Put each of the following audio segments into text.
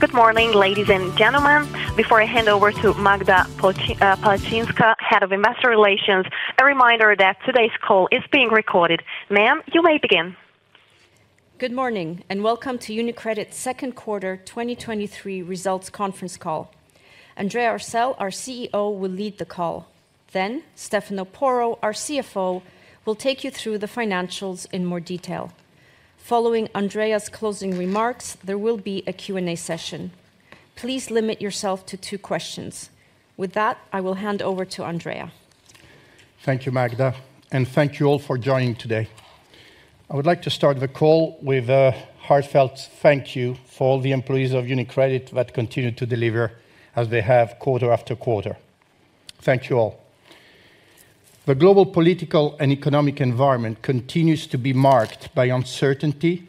Good morning, ladies and gentlemen. Before I hand over to Magda Palczynska, Head of Investor Relations, a reminder that today's call is being recorded. Ma'am, you may begin. Good morning, and welcome to UniCredit's second quarter 2023 results conference call. Andrea Orcel, our CEO, will lead the call. Stefano Porro, our CFO, will take you through the financials in more detail. Following Andrea's closing remarks, there will be a Q&A session. Please limit yourself to two questions. With that, I will hand over to Andrea. Thank you, Magda, thank you all for joining today. I would like to start the call with a heartfelt thank you for all the employees of UniCredit that continue to deliver as they have quarter after quarter. Thank you all. The global political and economic environment continues to be marked by uncertainty,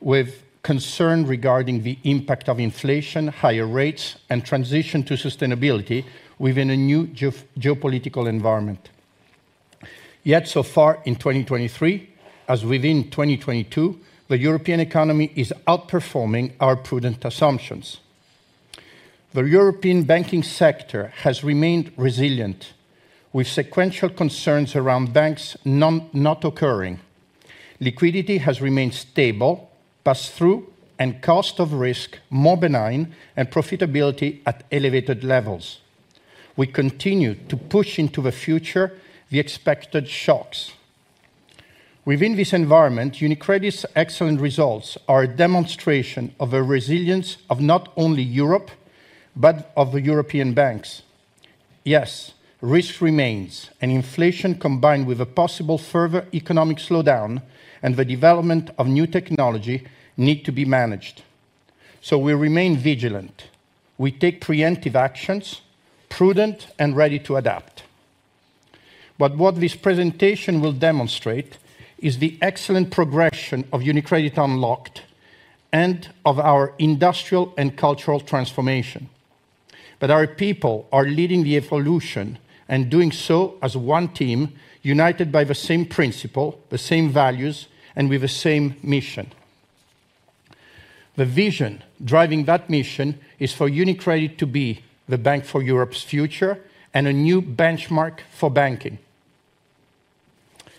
with concern regarding the impact of inflation, higher rates, and transition to sustainability within a new geopolitical environment. So far in 2023, as within 2022, the European economy is outperforming our prudent assumptions. The European banking sector has remained resilient, with sequential concerns around banks not occurring. Liquidity has remained stable, pass-through and cost of risk more benign, and profitability at elevated levels. We continue to push into the future the expected shocks. Within this environment, UniCredit's excellent results are a demonstration of the resilience of not only Europe, but of the European banks. Yes, risk remains, and inflation, combined with a possible further economic slowdown and the development of new technology, need to be managed. We remain vigilant. We take preemptive actions, prudent and ready to adapt. What this presentation will demonstrate is the excellent progression of UniCredit Unlocked and of our industrial and cultural transformation. Our people are leading the evolution and doing so as one team, united by the same principle, the same values, and with the same mission. The vision driving that mission is for UniCredit to be the bank for Europe's future and a new benchmark for banking.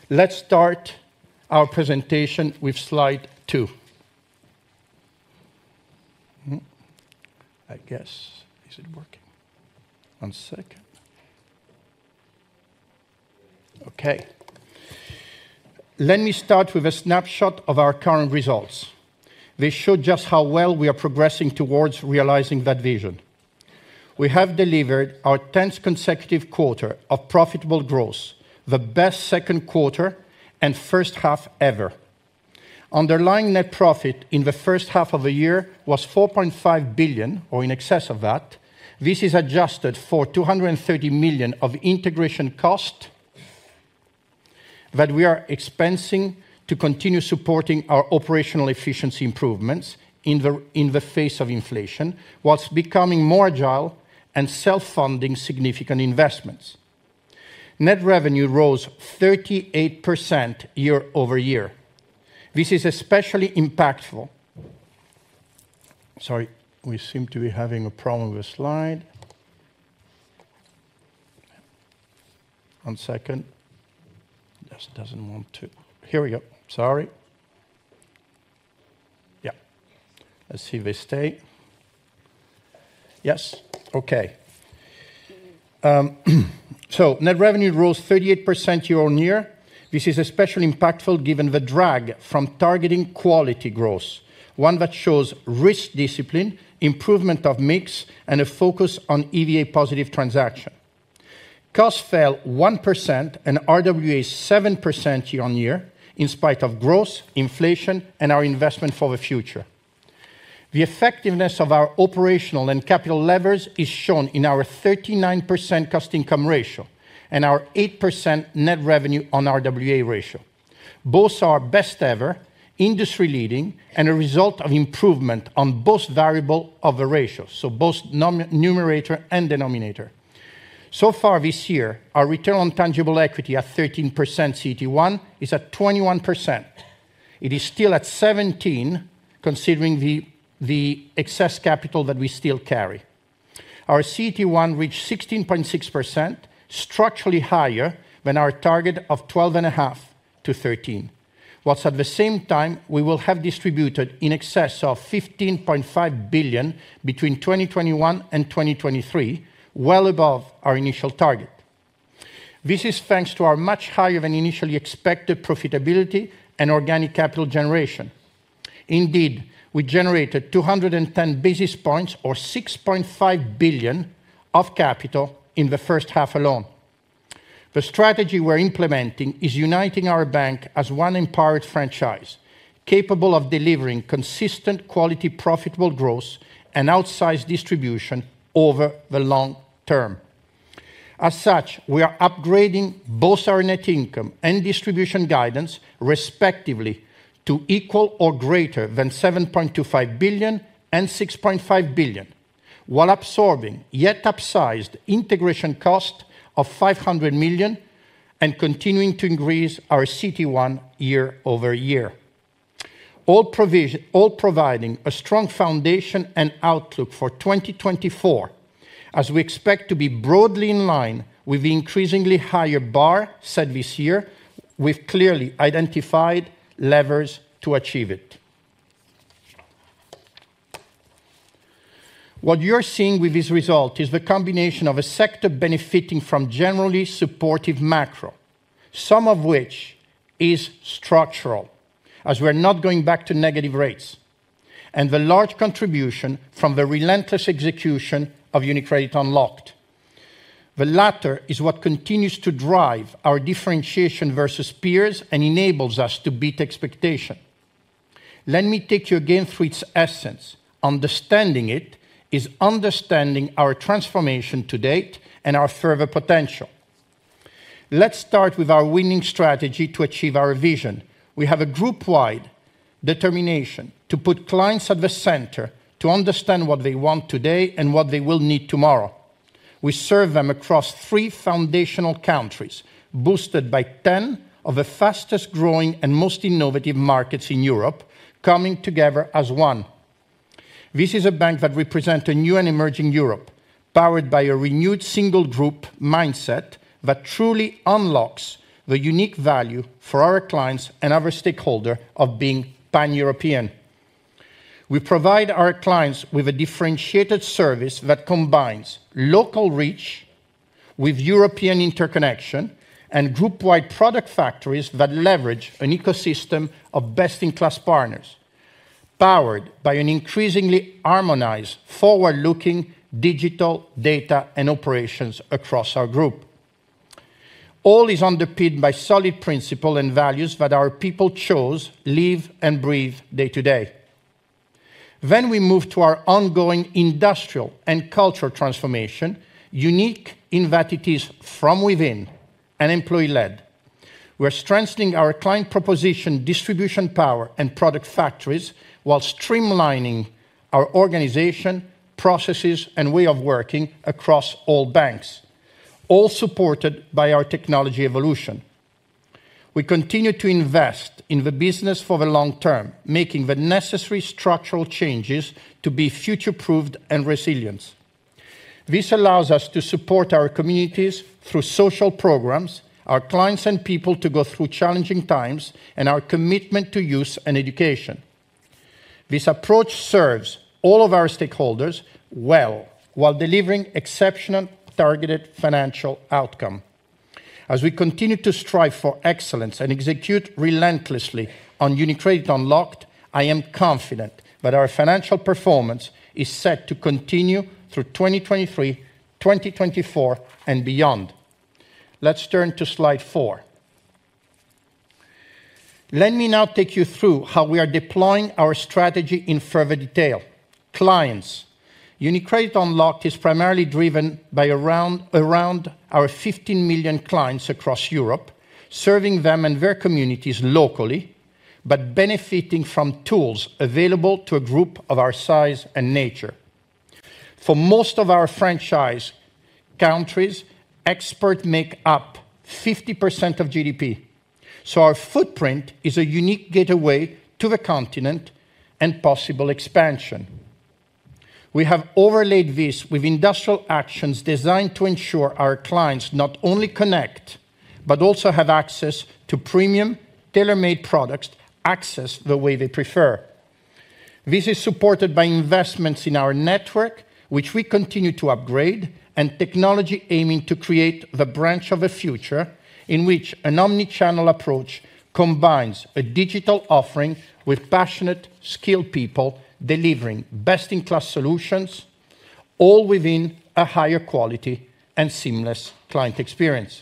Let's start our presentation with slide two. Is it working? One second. Okay. Let me start with a snapshot of our current results. They show just how well we are progressing towards realizing that vision. We have delivered our 10th consecutive quarter of profitable growth, the best Q2 and H1 ever. Underlying net profit in the H1 of the year was 4.5 billion, or in excess of that. This is adjusted for 230 million of integration cost that we are expensing to continue supporting our operational efficiency improvements in the face of inflation, whilst becoming more agile and self-funding significant investments. Net revenue rose 38% year-over-year. This is especially impactful. Sorry, we seem to be having a problem with the slide. One second. Just doesn't want to. Here we go. Sorry. Let's see if they stay. Yes. Okay. Net revenue rose 38% year-on-year. This is especially impactful given the drag from targeting quality growth, one that shows risk discipline, improvement of mix, and a focus on EVA positive transaction. Costs fell 1% and RWA 7% year-on-year, in spite of growth, inflation, and our investment for the future. The effectiveness of our operational and capital levers is shown in our 39% cost-income ratio and our 8% net revenue on RWA ratio. Both are best ever, industry-leading, and a result of improvement on both variable of the ratio, so both numerator and denominator. Far this year, our return on tangible equity at 13%, CET1 is at 21%. It is still at 17%, considering the excess capital that we still carry. Our CET1 reached 16.6%, structurally higher than our target of 12.5%-13%. Whilst at the same time, we will have distributed in excess of 15.5 billion between 2021 and 2023, well above our initial target. This is thanks to our much higher than initially expected profitability and organic capital generation. Indeed, we generated 210 basis points, or 6.5 billion of capital in the first half alone. The strategy we're implementing is uniting our bank as one empowered franchise, capable of delivering consistent, quality, profitable growth and outsized distribution over the long term. As such, we are upgrading both our net income and distribution guidance, respectively, to equal or greater than 7.25 billion and 6.5 billion, while absorbing yet upsized integration cost of 500 million and continuing to increase our CET1 year-over-year. All providing a strong foundation and outlook for 2024, as we expect to be broadly in line with the increasingly higher bar set this year, with clearly identified levers to achieve it. What you're seeing with this result is the combination of a sector benefiting from generally supportive macro, some of which is structural, as we're not going back to negative rates, and the large contribution from the relentless execution of UniCredit Unlocked. The latter is what continues to drive our differentiation versus peers and enables us to beat expectation. Let me take you again through its essence. Understanding it is understanding our transformation to date and our further potential. Let's start with our winning strategy to achieve our vision. We have a group-wide determination to put clients at the center, to understand what they want today and what they will need tomorrow. We serve them across three foundational countries, boosted by ten of the fastest growing and most innovative markets in Europe, coming together as one. This is a bank that represent a new and emerging Europe, powered by a renewed single group mindset that truly unlocks the unique value for our clients and our stakeholder of being Pan-European. We provide our clients with a differentiated service that combines local reach with European interconnection and group-wide product factories that leverage an ecosystem of best-in-class partners, powered by an increasingly harmonized, forward-looking digital data and operations across our group. All is underpinned by solid principle and values that our people chose, live, and breathe day to day. We move to our ongoing industrial and cultural transformation, unique in that it is from within and employee led. We're strengthening our client proposition, distribution power, and product factories, while streamlining our organization, processes, and way of working across all banks, all supported by our technology evolution. We continue to invest in the business for the long term, making the necessary structural changes to be future-proofed and resilient. This allows us to support our communities through social programs, our clients and people to go through challenging times, and our commitment to youth and education. This approach serves all of our stakeholders well while delivering exceptional, targeted financial outcome. As we continue to strive for excellence and execute relentlessly on UniCredit Unlocked, I am confident that our financial performance is set to continue through 2023, 2024, and beyond. Let's turn to slide four. Let me now take you through how we are deploying our strategy in further detail. Clients. UniCredit Unlocked is primarily driven by around our 15 million clients across Europe, serving them and their communities locally, but benefiting from tools available to a group of our size and nature. For most of our franchise, countries' exports make up 50% of GDP. Our footprint is a unique gateway to the continent and possible expansion. We have overlaid this with industrial actions designed to ensure our clients not only connect, but also have access to premium, tailor-made products, accessed the way they prefer. This is supported by investments in our network, which we continue to upgrade, and technology aiming to create the branch of the future, in which an omni-channel approach combines a digital offering with passionate, skilled people, delivering best-in-class solutions, all within a higher quality and seamless client experience.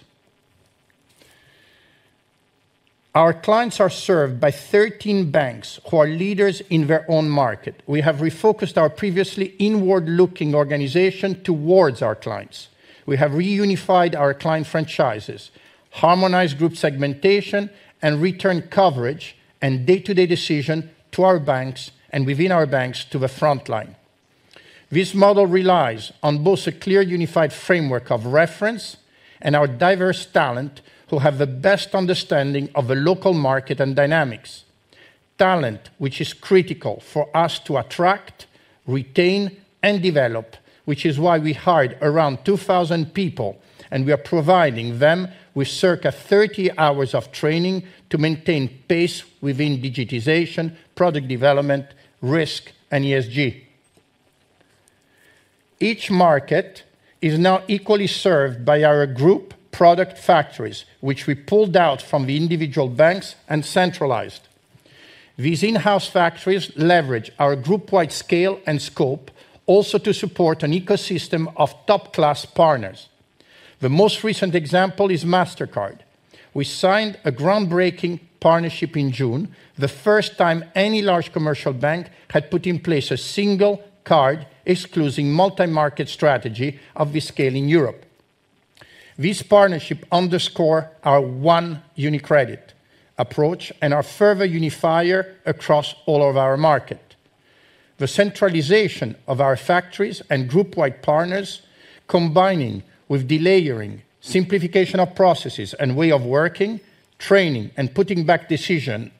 Our clients are served by 13 banks, who are leaders in their own market. We have refocused our previously inward-looking organization towards our clients. We have reunified our client franchises, harmonized group segmentation, and returned coverage and day-to-day decision to our banks and within our banks to the frontline. This model relies on both a clear, unified framework of reference and our diverse talent, who have the best understanding of the local market and dynamics. Talent, which is critical for us to attract, retain, and develop, which is why we hired around 2,000 people, and we are providing them with circa 30 hours of training to maintain pace within digitization, product development, risk, and ESG. Each market is now equally served by our group product factories, which we pulled out from the individual banks and centralized. These in-house factories leverage our group-wide scale and scope, also to support an ecosystem of top-class partners. The most recent example is Mastercard. We signed a groundbreaking partnership in June, the first time any large commercial bank had put in place a single card, exclusive multi-market strategy of this scale in Europe. This partnership underscore our One UniCredit approach and our further unifier across all of our market. The centralization of our factories and group-wide partners, combining with delayering, simplification of processes and way of working, training, and putting back decision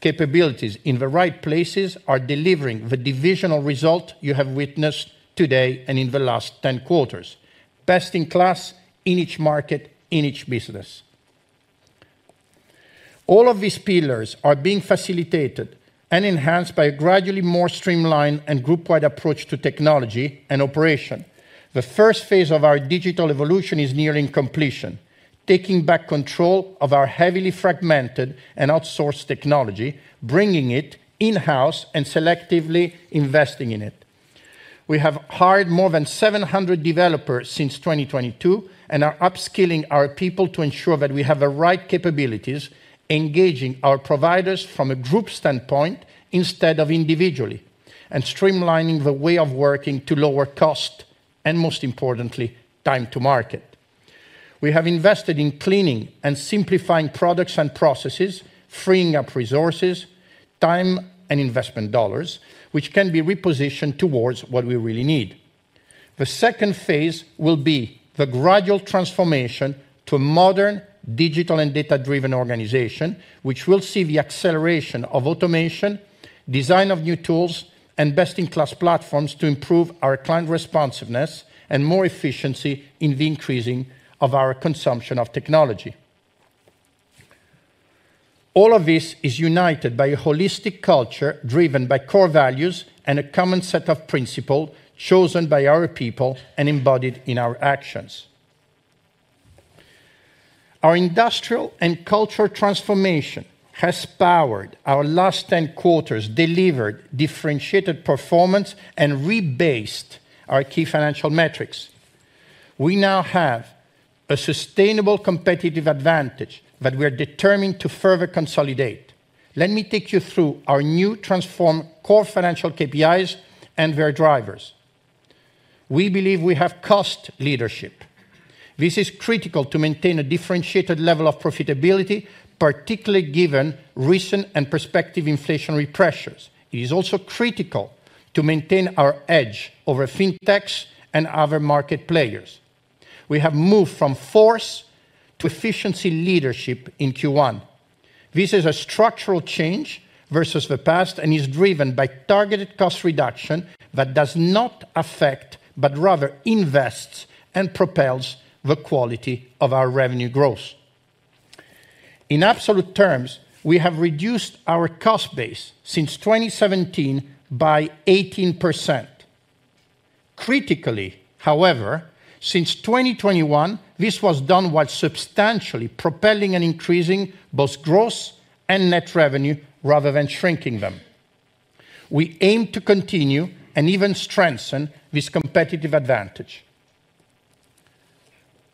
capabilities in the right places, are delivering the divisional result you have witnessed today and in the last 10 quarters. Best in class, in each market, in each business. All of these pillars are being facilitated and enhanced by a gradually more streamlined and group-wide approach to technology and operation. The first phase of our digital evolution is nearing completion, taking back control of our heavily fragmented and outsourced technology, bringing it in-house, and selectively investing in it. We have hired more than 700 developers since 2022, and are upskilling our people to ensure that we have the right capabilities, engaging our providers from a group standpoint instead of individually, and streamlining the way of working to lower cost, and most importantly, time to market. We have invested in cleaning and simplifying products and processes, freeing up resources, time, and investment dollars, which can be repositioned towards what we really need. The second phase will be the gradual transformation to a modern, digital, and data-driven organization, which will see the acceleration of automation, design of new tools, and best-in-class platforms to improve our client responsiveness and more efficiency in the increasing of our consumption of technology. All of this is united by a holistic culture, driven by core values and a common set of principle chosen by our people and embodied in our actions. Our industrial and cultural transformation has powered our last 10 quarters, delivered differentiated performance, and rebased our key financial metrics. We now have a sustainable competitive advantage that we are determined to further consolidate. Let me take you through our new transformed core financial KPIs and their drivers. We believe we have cost leadership. This is critical to maintain a differentiated level of profitability, particularly given recent and prospective inflationary pressures. It is also critical to maintain our edge over fintechs and other market players. We have moved from force to efficiency leadership in Q1. This is a structural change versus the past, is driven by targeted cost reduction that does not affect but rather invests and propels the quality of our revenue growth. In absolute terms, we have reduced our cost base since 2017 by 18%. Critically, however, since 2021, this was done while substantially propelling and increasing both gross and net revenue, rather than shrinking them. We aim to continue, and even strengthen, this competitive advantage.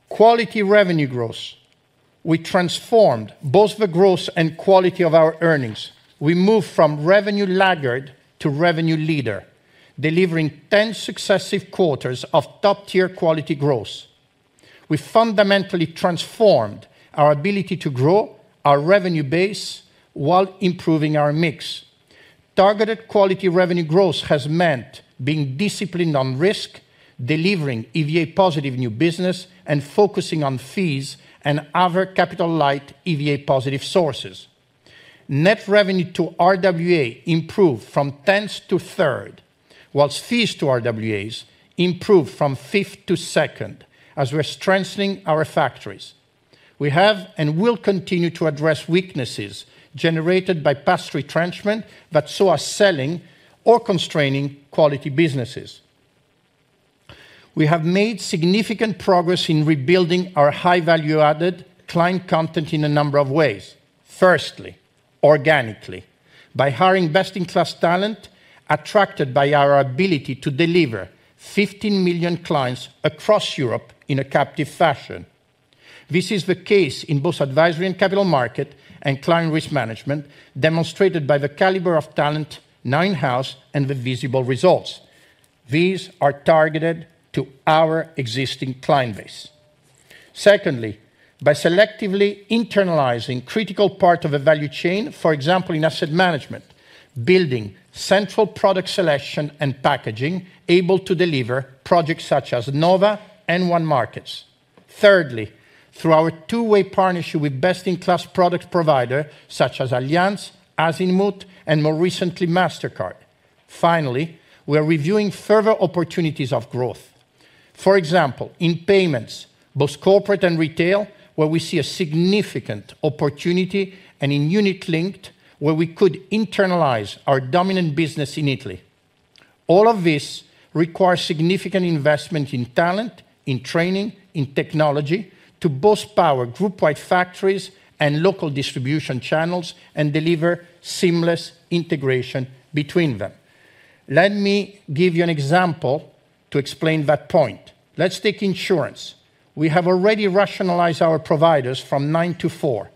Quality revenue growth. We transformed both the growth and quality of our earnings. We moved from revenue laggard to revenue leader, delivering 10 successive quarters of top-tier quality growth. We fundamentally transformed our ability to grow our revenue base while improving our mix. Targeted quality revenue growth has meant being disciplined on risk, delivering EVA positive new business, and focusing on fees and other capital-light, EVA positive sources. Net revenue to RWA improved from tenth to third, whilst fees to RWAs improved from fifth to second, as we're strengthening our factories. We have and will continue to address weaknesses generated by past retrenchment that saw us selling or constraining quality businesses. We have made significant progress in rebuilding our high-value added client content in a number of ways. Firstly, organically, by hiring best-in-class talent, attracted by our ability to deliver 15 million clients across Europe in a captive fashion. This is the case in both advisory and capital market and client risk management, demonstrated by the caliber of talent, now in-house, and the visible results. These are targeted to our existing client base. Secondly, by selectively internalizing critical part of the value chain, for example, in asset management, building central product selection and packaging, able to deliver projects such as Nova and onemarkets. Thirdly, through our two-way partnership with best-in-class product provider, such as Allianz, Azimut, and more recently, Mastercard. We are reviewing further opportunities of growth. For example, in payments, both corporate and retail, where we see a significant opportunity, and in unit linked, where we could internalize our dominant business in Italy. All of this requires significant investment in talent, in training, in technology, to both power group-wide factories and local distribution channels and deliver seamless integration between them. Let me give you an example to explain that point. Let's take insurance. We have already rationalized our providers from nine to four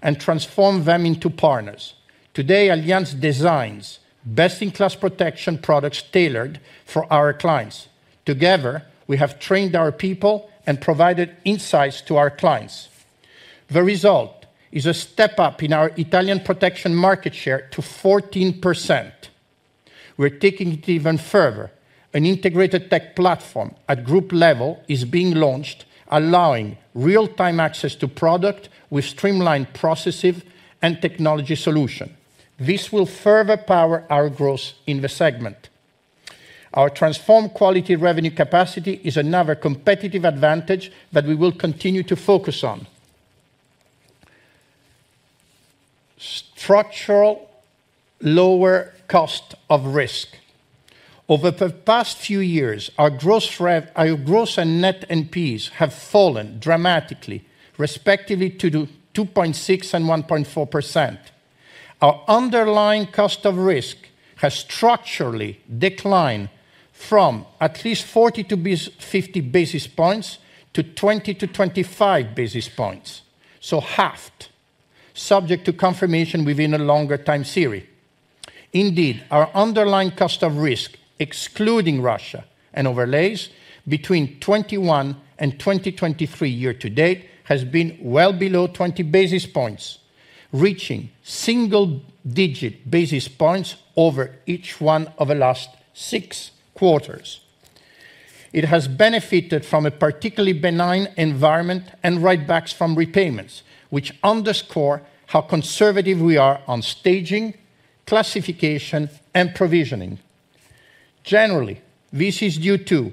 and transformed them into partners. Today, Allianz designs best-in-class protection products tailored for our clients. Together, we have trained our people and provided insights to our clients. The result is a step up in our Italian protection market share to 14%. We're taking it even further. An integrated tech platform at group level is being launched, allowing real-time access to product with streamlined processes and technology solution. This will further power our growth in the segment. Our transformed quality revenue capacity is another competitive advantage that we will continue to focus on. Structural lower cost of risk. Over the past few years, our gross and net NPEs have fallen dramatically, respectively, to the 2.6% and 1.4%. Our underlying cost of risk has structurally declined from at least 40-50 basis points to 20-25 basis points, so halved, subject to confirmation within a longer time series. Our underlying cost of risk, excluding Russia and overlays between 2021 and 2023 year to date, has been well below 20 basis points, reaching single-digit basis points over each one of the last six quarters. It has benefited from a particularly benign environment and write-backs from repayments, which underscore how conservative we are on staging, classification, and provisioning. Generally, this is due to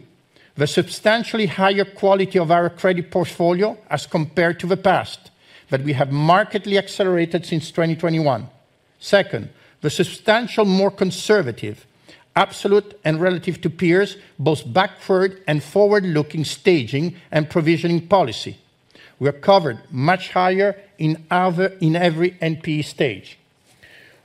the substantially higher quality of our credit portfolio as compared to the past, that we have markedly accelerated since 2021. Second, the substantial, more conservative, absolute and relative to peers, both backward and forward-looking staging and provisioning policy. We are covered much higher in other, in every NPE stage.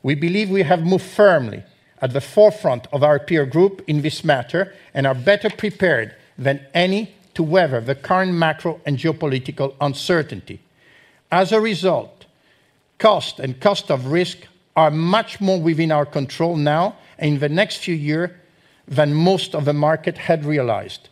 We believe we have moved firmly at the forefront of our peer group in this matter, and are better prepared than any to weather the current macro and geopolitical uncertainty. As a result, cost and cost of risk are much more within our control now and in the next few year than most of the market had realized.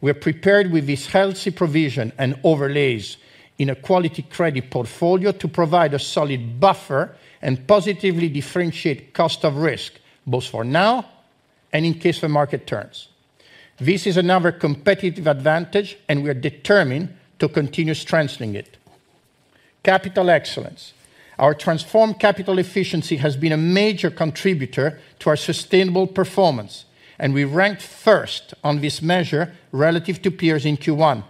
We are prepared with this healthy provision and overlays in a quality credit portfolio to provide a solid buffer and positively differentiate cost of risk, both for now and in case the market turns. This is another competitive advantage, and we are determined to continue strengthening it. Capital excellence. Our transformed capital efficiency has been a major contributor to our sustainable performance, and we ranked first on this measure relative to peers in Q1.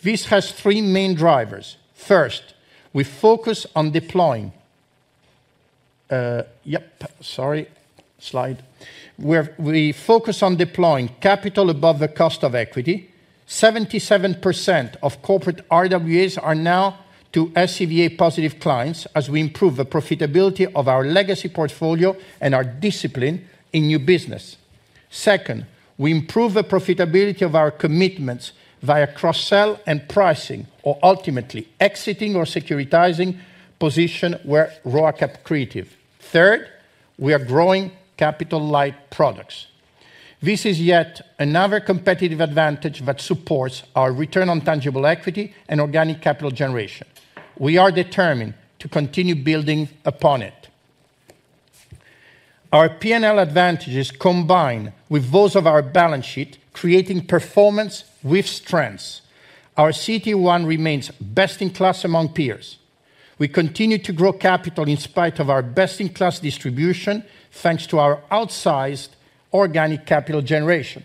This has three main drivers. First, we focus on deploying... yep, sorry, slide. We focus on deploying capital above the cost of equity. 77% of corporate RWAs are now to SCBA positive clients as we improve the profitability of our legacy portfolio and our discipline in new business. Second, we improve the profitability of our commitments via cross-sell and pricing or ultimately exiting or securitizing position where RoAC accretive. Third, we are growing capital-light products. This is yet another competitive advantage that supports our return on tangible equity and organic capital generation. We are determined to continue building upon it. Our P&L advantages combine with those of our balance sheet, creating performance with strengths. Our CET1 remains best in class among peers. We continue to grow capital in spite of our best-in-class distribution, thanks to our outsized organic capital generation.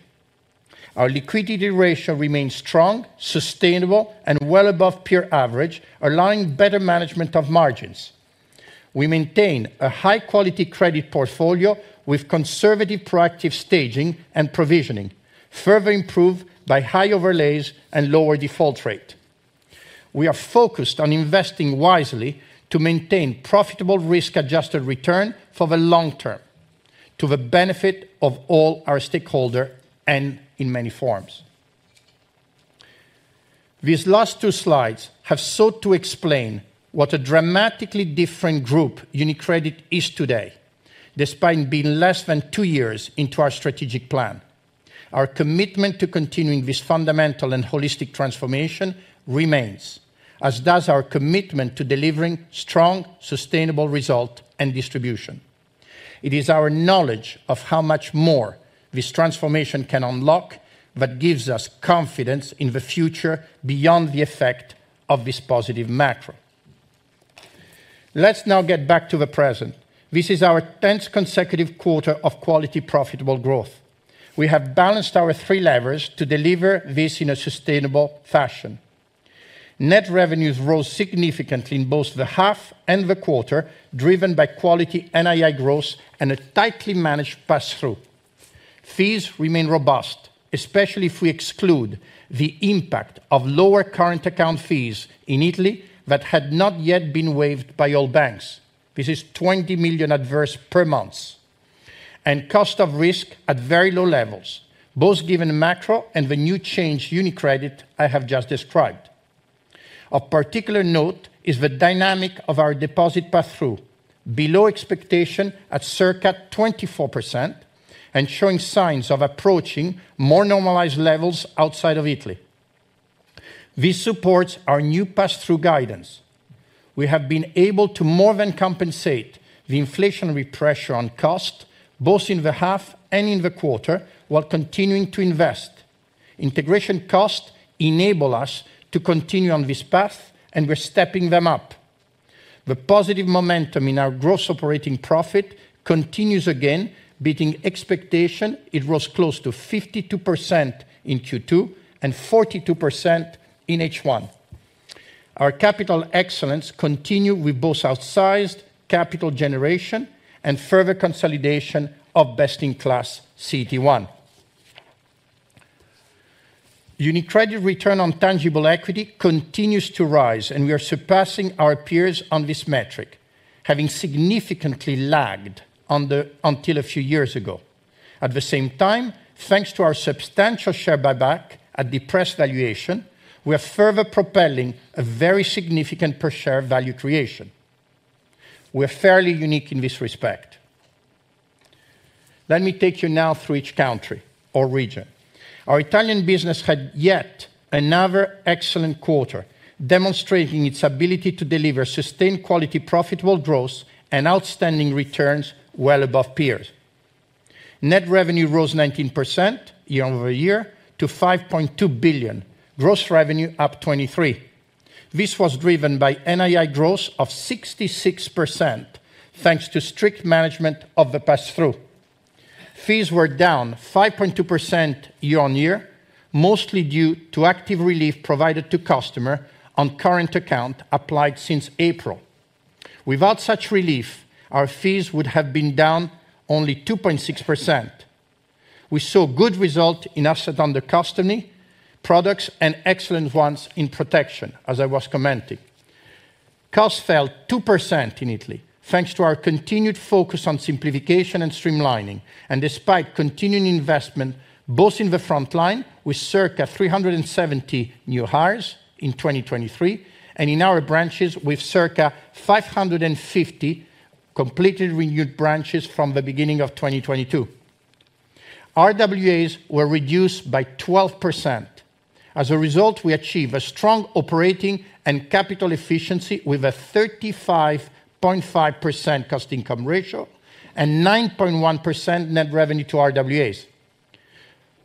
Our liquidity ratio remains strong, sustainable, and well above peer average, allowing better management of margins. We maintain a high-quality credit portfolio with conservative, proactive staging and provisioning, further improved by high overlays and lower default rate. We are focused on investing wisely to maintain profitable risk-adjusted return for the long term, to the benefit of all our stakeholder and in many forms. These last two slides have sought to explain what a dramatically different group UniCredit is today, despite being less than two years into our strategic plan. Our commitment to continuing this fundamental and holistic transformation remains, as does our commitment to delivering strong, sustainable result and distribution. It is our knowledge of how much more this transformation can unlock that gives us confidence in the future beyond the effect of this positive macro. Let's now get back to the present. This is our tenth consecutive quarter of quality, profitable growth. We have balanced our three levers to deliver this in a sustainable fashion. Net revenues rose significantly in both the half and the quarter, driven by quality NII growth and a tightly managed pass-through. Fees remain robust, especially if we exclude the impact of lower current account fees in Italy that had not yet been waived by all banks. This is 20 million adverse per month. Cost of risk at very low levels, both given the macro and the new change UniCredit I have just described. Of particular note is the dynamic of our deposit pass-through below expectation at circa 24% and showing signs of approaching more normalized levels outside of Italy. This supports our new pass-through guidance. We have been able to more than compensate the inflationary pressure on cost, both in the half and in the quarter, while continuing to invest. Integration costs enable us to continue on this path, and we're stepping them up. The positive momentum in our gross operating profit continues again, beating expectation. It rose close to 52% in Q2 and 42% in H1. Our capital excellence continue with both outsized capital generation and further consolidation of best-in-class CET1. UniCredit return on tangible equity continues to rise. We are surpassing our peers on this metric, having significantly lagged until a few years ago. At the same time, thanks to our substantial share buyback at depressed valuation, we are further propelling a very significant per share value creation. We're fairly unique in this respect. Let me take you now through each country or region. Our Italian business had yet another excellent quarter, demonstrating its ability to deliver sustained quality, profitable growth, and outstanding returns well above peers. Net revenue rose 19% year-over-year to 5.2 billion. Gross revenue up 23%. This was driven by NII growth of 66%, thanks to strict management of the pass-through. Fees were down 5.2% year-on-year, mostly due to active relief provided to customer on current account applied since April. Without such relief, our fees would have been down only 2.6%. We saw good result in asset under custody, products, and excellent ones in protection, as I was commenting. Costs fell 2% in Italy, thanks to our continued focus on simplification and streamlining, and despite continuing investment both in the front line, with circa 370 new hires in 2023, and in our branches, with circa 550 completely renewed branches from the beginning of 2022. RWAs were reduced by 12%. As a result, we achieved a strong operating and capital efficiency with a 35.5% cost-income ratio and 9.1% net revenue to RWAs.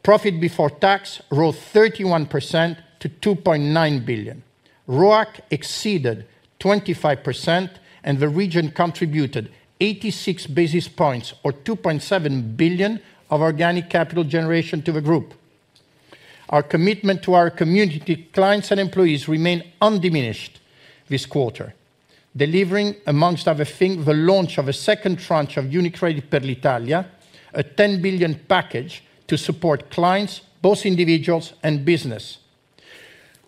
Profit before tax rose 31% to 2.9 billion. ROAC exceeded 25%, and the region contributed 86 basis points, or 2.7 billion, of organic capital generation to the group. Our commitment to our community, clients, and employees remain undiminished this quarter, delivering, amongst other things, the launch of a second tranche of UniCredit per l'Italia, a 10 billion package to support clients, both individuals and business.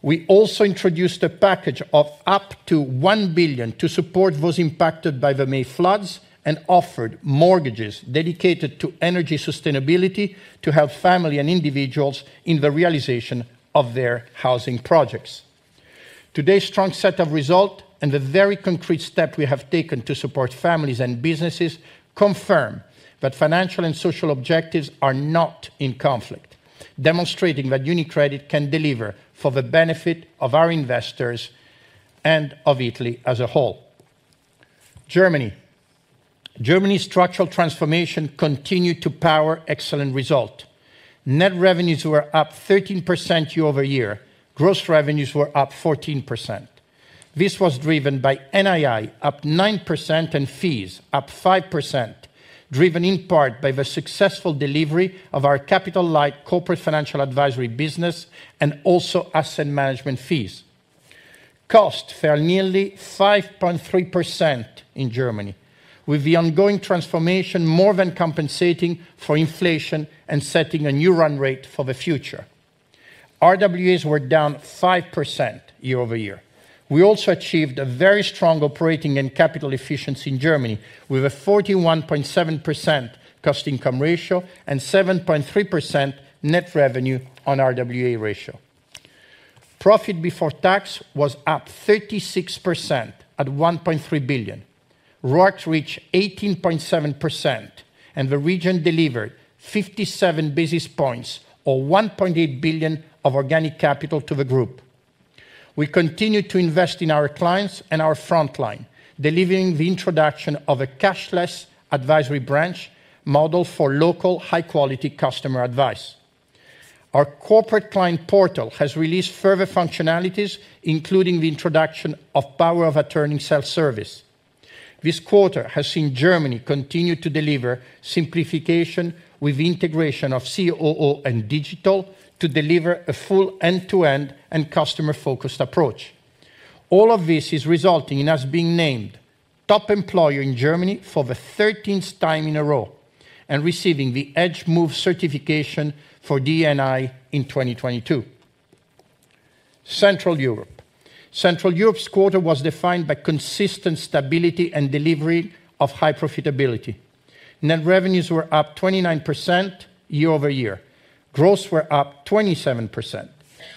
We also introduced a package of up to 1 billion to support those impacted by the May floods and offered mortgages dedicated to energy sustainability to help family and individuals in the realization of their housing projects. Today's strong set of result and the very concrete step we have taken to support families and businesses confirm that financial and social objectives are not in conflict, demonstrating that UniCredit can deliver for the benefit of our investors and of Italy as a whole. Germany. Germany's structural transformation continued to power excellent result. Net revenues were up 13% year-over-year. Gross revenues were up 14%. This was driven by NII up 9% and fees up 5%, driven in part by the successful delivery of our capital-light corporate financial advisory business and also asset management fees. Costs fell nearly 5.3% in Germany, with the ongoing transformation more than compensating for inflation and setting a new run rate for the future. RWAs were down 5% year-over-year. We also achieved a very strong operating and capital efficiency in Germany, with a 41.7% cost-income ratio and 7.3% net revenue on RWA ratio. Profit before tax was up 36% at 1.3 billion. ROAC reached 18.7%, and the region delivered 57 basis points or 1.8 billion of organic capital to the group. We continue to invest in our clients and our frontline, delivering the introduction of a cashless advisory branch model for local, high-quality customer advice. Our corporate client portal has released further functionalities, including the introduction of power of attorney self-service. This quarter has seen Germany continue to deliver simplification with integration of COO and digital to deliver a full end-to-end and customer-focused approach. All of this is resulting in us being named top employer in Germany for the thirteenth time in a row and receiving the EDGE Move certification for D&I in 2022. Central Europe. Central Europe's quarter was defined by consistent stability and delivery of high profitability. Net revenues were up 29% year-over-year. Gross were up 27%.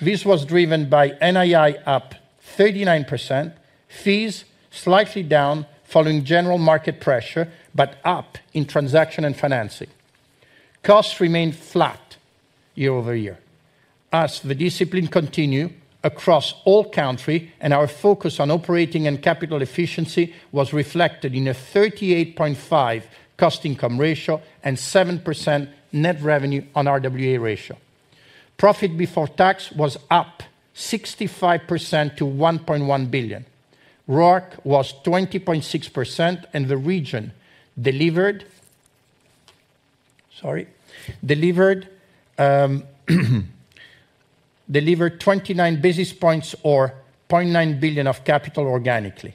This was driven by NII up 39%, fees slightly down following general market pressure, but up in transaction and financing. Costs remained flat year-over-year, as the discipline continue across all country, and our focus on operating and capital efficiency was reflected in a 38.5% cost-income ratio and 7% net revenue on RWA ratio. Profit before tax was up 65% to 1.1 billion. ROIC was 20.6%, and the region delivered. Sorry. Delivered 29 basis points or 0.9 billion of capital organically.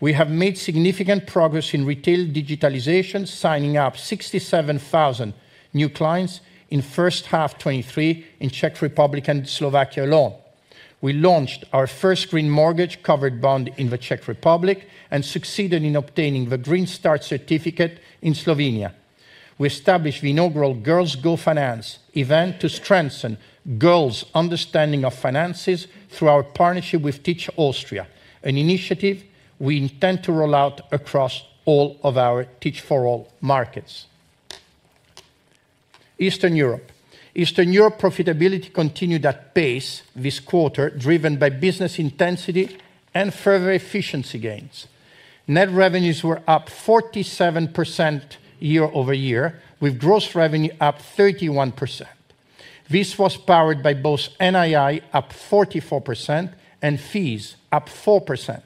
We have made significant progress in retail digitalization, signing up 67,000 new clients in H1 2023 in Czech Republic and Slovakia alone. We launched our first green mortgage covered bond in the Czech Republic and succeeded in obtaining the Green Start certificate in Slovenia. We established the inaugural Girls Go Finance event to strengthen girls' understanding of finances through our partnership with Teach Austria, an initiative we intend to roll out across all of our Teach For All markets. Eastern Europe profitability continued at pace this quarter, driven by business intensity and further efficiency gains. Net revenues were up 47% year-over-year, with gross revenue up 31%. This was powered by both NII up 44% and fees up 4%.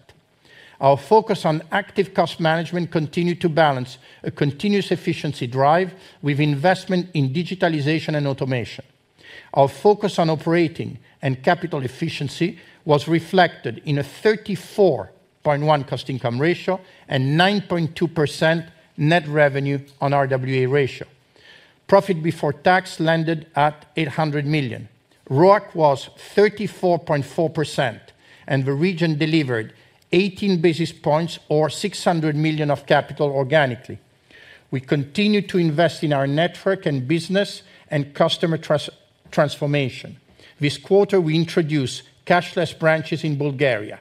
Our focus on active cost management continued to balance a continuous efficiency drive with investment in digitalization and automation. Our focus on operating and capital efficiency was reflected in a 34.1 cost-income ratio and 9.2% net revenue on RWA ratio. Profit before tax landed at 800 million. ROIC was 34.4%. The region delivered 18 basis points or 600 million of capital organically. We continue to invest in our network and business and customer transformation. This quarter, we introduced cashless branches in Bulgaria.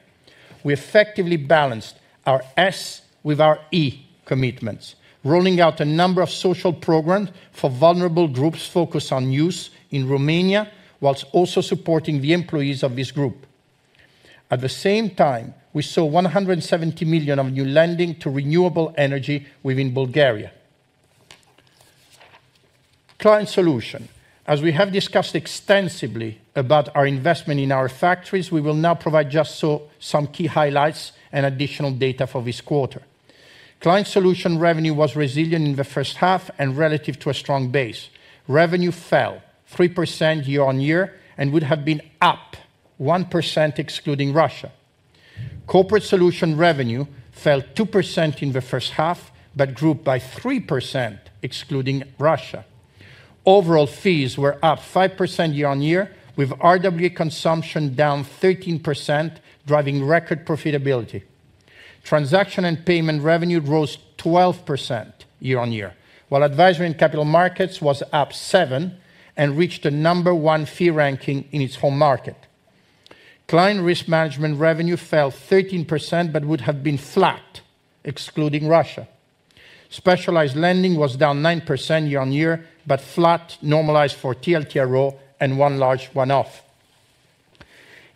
We effectively balanced our S with our E commitments, rolling out a number of social programs for vulnerable groups focused on youth in Romania, while also supporting the employees of this group. At the same time, we saw 170 million of new lending to renewable energy within Bulgaria. Client solution. As we have discussed extensively about our investment in our factories, we will now provide just some key highlights and additional data for this quarter. Client solution revenue was resilient in the first half and relative to a strong base. Revenue fell 3% year-over-year and would have been up 1%, excluding Russia. Corporate solution revenue fell 2% in the first half, but grew by 3% excluding Russia. Overall fees were up 5% year-on-year, with RWA consumption down 13%, driving record profitability. Transaction and payment revenue rose 12% year-on-year, while advisory and capital markets was up 7 and reached a number 1 fee ranking in its home market. Client risk management revenue fell 13% but would have been flat, excluding Russia. Specialized lending was down 9% year-on-year, but flat normalized for TLTRO and 1 large one-off.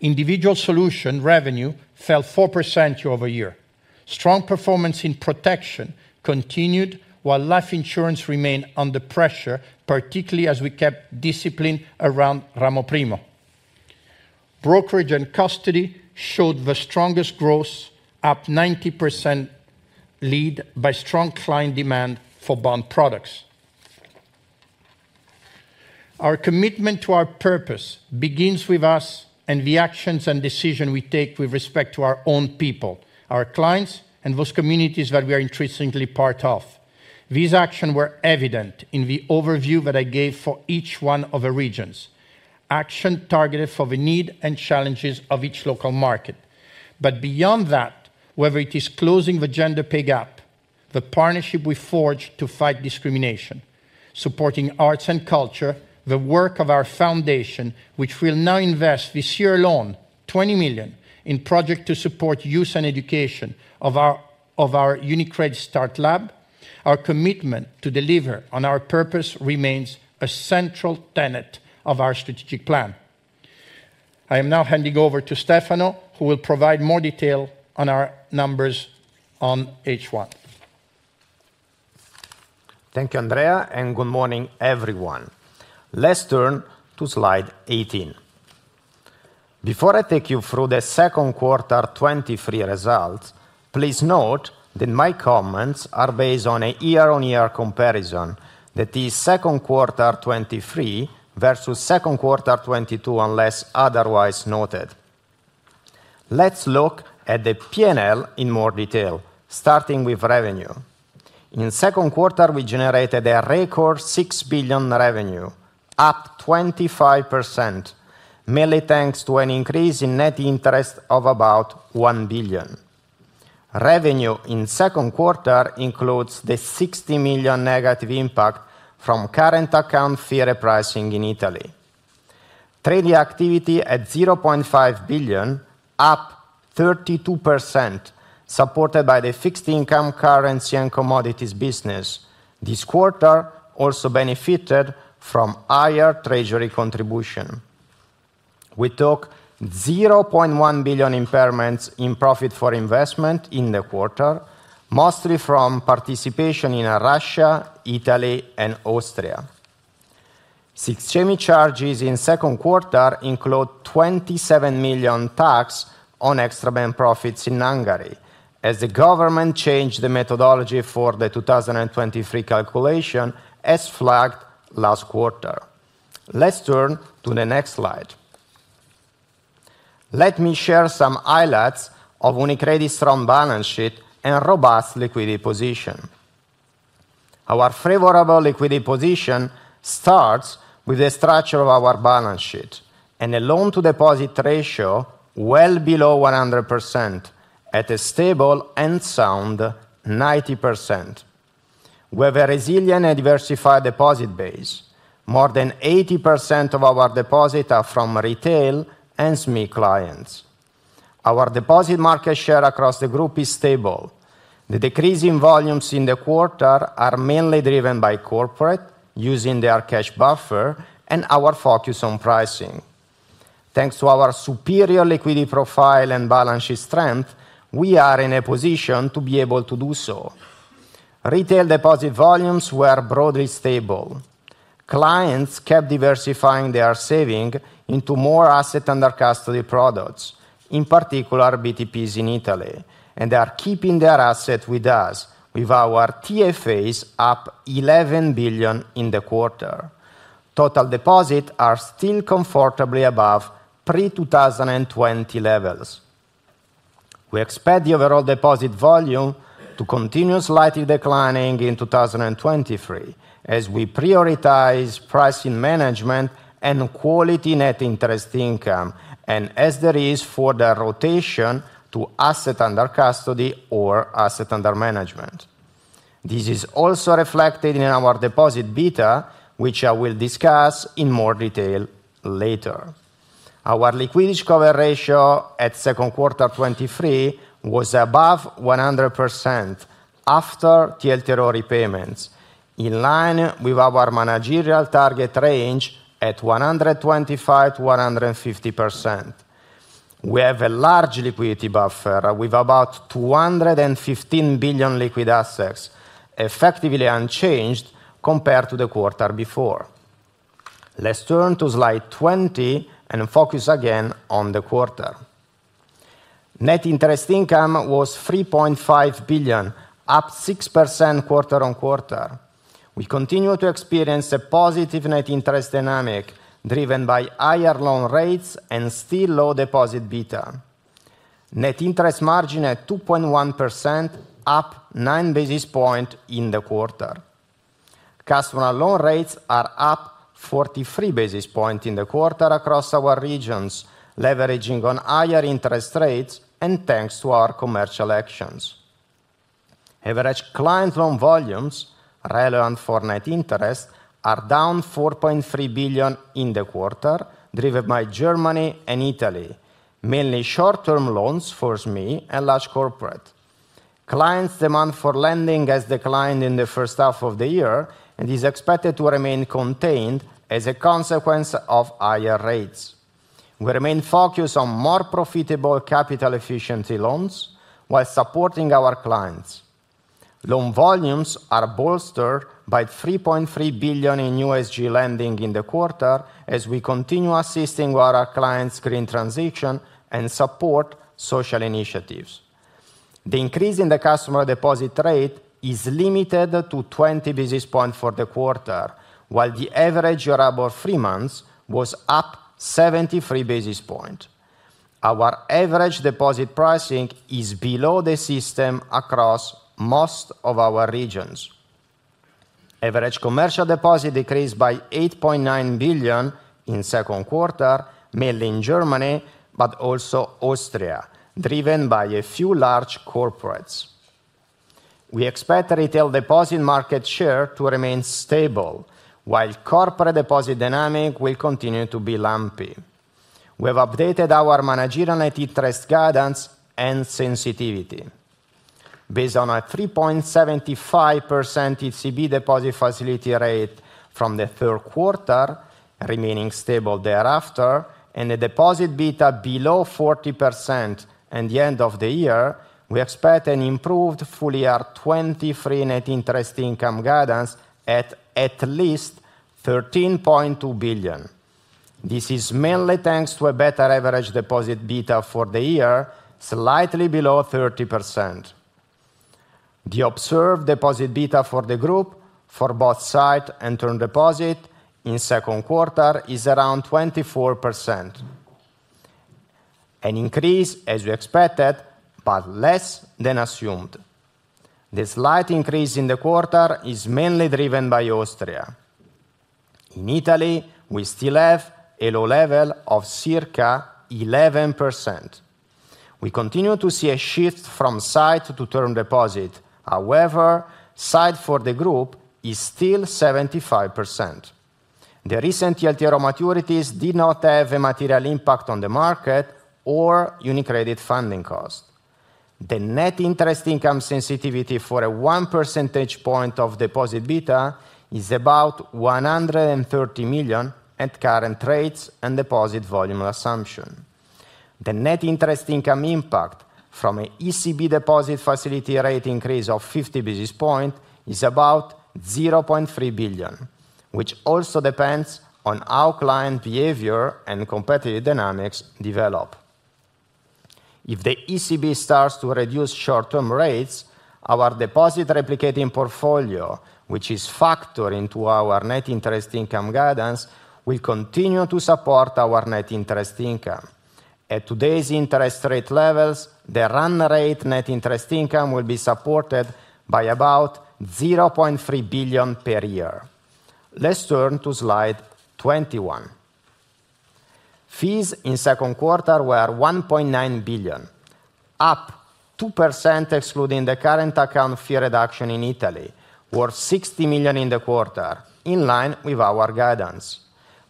Individual solution revenue fell 4% year-over-year. Strong performance in protection continued, while life insurance remained under pressure, particularly as we kept discipline around Ramo Primo. Brokerage and custody showed the strongest growth, up 90%, led by strong client demand for bond products. Our commitment to our purpose begins with us and the actions and decisions we take with respect to our own people, our clients, and those communities that we are interestingly part of. These actions were evident in the overview that I gave for each one of the regions, actions targeted for the need and challenges of each local market. Beyond that, whether it is closing the gender pay gap, the partnership we forged to fight discrimination, supporting arts and culture, the work of our foundation, which will now invest this year alone, 20 million in projects to support youth and education of our UniCredit Start Lab, our commitment to deliver on our purpose remains a central tenet of our strategic plan. I am now handing over to Stefano, who will provide more detail on our numbers on H1. Thank you, Andrea. Good morning, everyone. Let's turn to slide 18. Before I take you through the Q2 2023 results, please note that my comments are based on a year-over-year comparison, that is Q2 2023 versus Q2 2022, unless otherwise noted. Let's look at the P&L in more detail, starting with revenue. In the Q2, we generated a record 6 billion revenue, up 25%, mainly thanks to an increase in net interest of about 1 billion. Revenue in Q2 includes the 60 million negative impact from current account fee repricing in Italy. Trading activity at 0.5 billion, up 32%, supported by the fixed income currency and commodities business. This quarter also benefited from higher treasury contribution. We took 0.1 billion impairments in profit for investment in the quarter, mostly from participation in Russia, Italy, and Austria. Six semi-charges in second quarter include 27 million tax on extra bank profits in Hungary, as the government changed the methodology for the 2023 calculation, as flagged last quarter. Let's turn to the next slide. Let me share some highlights of UniCredit's strong balance sheet and robust liquidity position. Our favorable liquidity position starts with the structure of our balance sheet and a loan-to-deposit ratio well below 100% at a stable and sound 90%. We have a resilient and diversified deposit base. More than 80% of our deposits are from retail and SME clients. Our deposit market share across the group is stable. The decrease in volumes in the quarter are mainly driven by corporate using their cash buffer and our focus on pricing. Thanks to our superior liquidity profile and balance sheet strength, we are in a position to be able to do so. Retail deposit volumes were broadly stable. Clients kept diversifying their saving into more asset under custody products, in particular, BTPs in Italy, and they are keeping their asset with us, with our TFAs up 11 billion in the quarter. Total deposits are still comfortably above pre-2020 levels. We expect the overall deposit volume to continue slightly declining in 2023, as we prioritize pricing management and quality net interest income, and as there is for the rotation to asset under custody or asset under management. This is also reflected in our deposit beta, which I will discuss in more detail later. Our liquidity cover ratio at second quarter 2023 was above 100% after TLTRO repayments, in line with our managerial target range at 125%-150%. We have a large liquidity buffer, with about 215 billion liquid assets, effectively unchanged compared to the quarter before. Let's turn to slide 20 and focus again on the quarter. Net Interest Income was 3.5 billion, up 6% quarter-on-quarter. We continue to experience a positive net interest dynamic, driven by higher loan rates and still low deposit beta. Net interest margin at 2.1%, up 9 basis point in the quarter. Customer loan rates are up 43 basis point in the quarter across our regions, leveraging on higher interest rates and thanks to our commercial actions. Average client loan volumes, relevant for net interest, are down 4.3 billion in the quarter, driven by Germany and Italy, mainly short-term loans for SME and large corporate. Clients' demand for lending has declined in the first half of the year and is expected to remain contained as a consequence of higher rates. We remain focused on more profitable capital efficiency loans while supporting our clients. Loan volumes are bolstered by 3.3 billion in USG lending in the quarter, as we continue assisting with our clients' green transition and support social initiatives. The increase in the customer deposit rate is limited to 20 basis points for the quarter, while the average durable three months was up 73 basis points. Our average deposit pricing is below the system across most of our regions. Average commercial deposit decreased by 8.9 billion in second quarter, mainly in Germany, also Austria, driven by a few large corporates. We expect retail deposit market share to remain stable, while corporate deposit dynamic will continue to be lumpy. We have updated our managerial net interest guidance and sensitivity. Based on a 3.75% ECB deposit facility rate from the third quarter, remaining stable thereafter, and a deposit beta below 40% at the end of the year, we expect an improved full year 2023 net interest income guidance at least 13.2 billion. This is mainly thanks to a better average deposit beta for the year, slightly below 30%. The observed deposit beta for the group, for both sight and term deposit in second quarter, is around 24%. an increase as we expected, less than assumed. The slight increase in the quarter is mainly driven by Austria. In Italy, we still have a low level of circa 11%. We continue to see a shift from sight to term deposit. However, sight for the group is still 75%. The recent TLTRO maturities did not have a material impact on the market or UniCredit funding cost. The net interest income sensitivity for a one percentage point of deposit beta is about 130 million at current rates and deposit volume assumption. The net interest income impact from a ECB deposit facility rate increase of 50 basis point is about 0.3 billion, which also depends on how client behavior and competitive dynamics develop. If the ECB starts to reduce short-term rates, our deposit replicating portfolio, which is factored into our net interest income guidance, will continue to support our net interest income. At today's interest rate levels, the run rate net interest income will be supported by about 0.3 billion per year. Let's turn to slide 21. Fees in second quarter were 1.9 billion, up 2%, excluding the current account fee reduction in Italy, or 60 million in the quarter, in line with our guidance.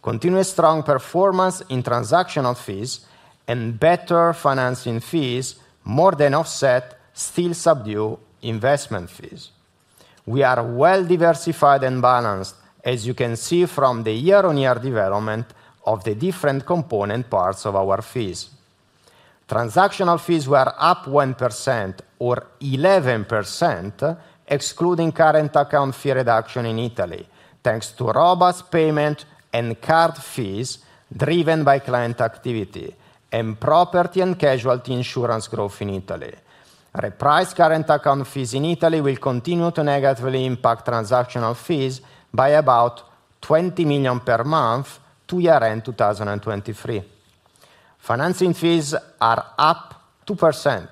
Continuous strong performance in transactional fees and better financing fees, more than offset, still subdue investment fees. We are well diversified and balanced, as you can see from the year-on-year development of the different component parts of our fees. Transactional fees were up 1% or 11%, excluding current account fee reduction in Italy, thanks to robust payment and card fees driven by client activity and property and casualty insurance growth in Italy. Repriced current account fees in Italy will continue to negatively impact transactional fees by about 20 million per month to year-end 2023. Financing fees are up 2%,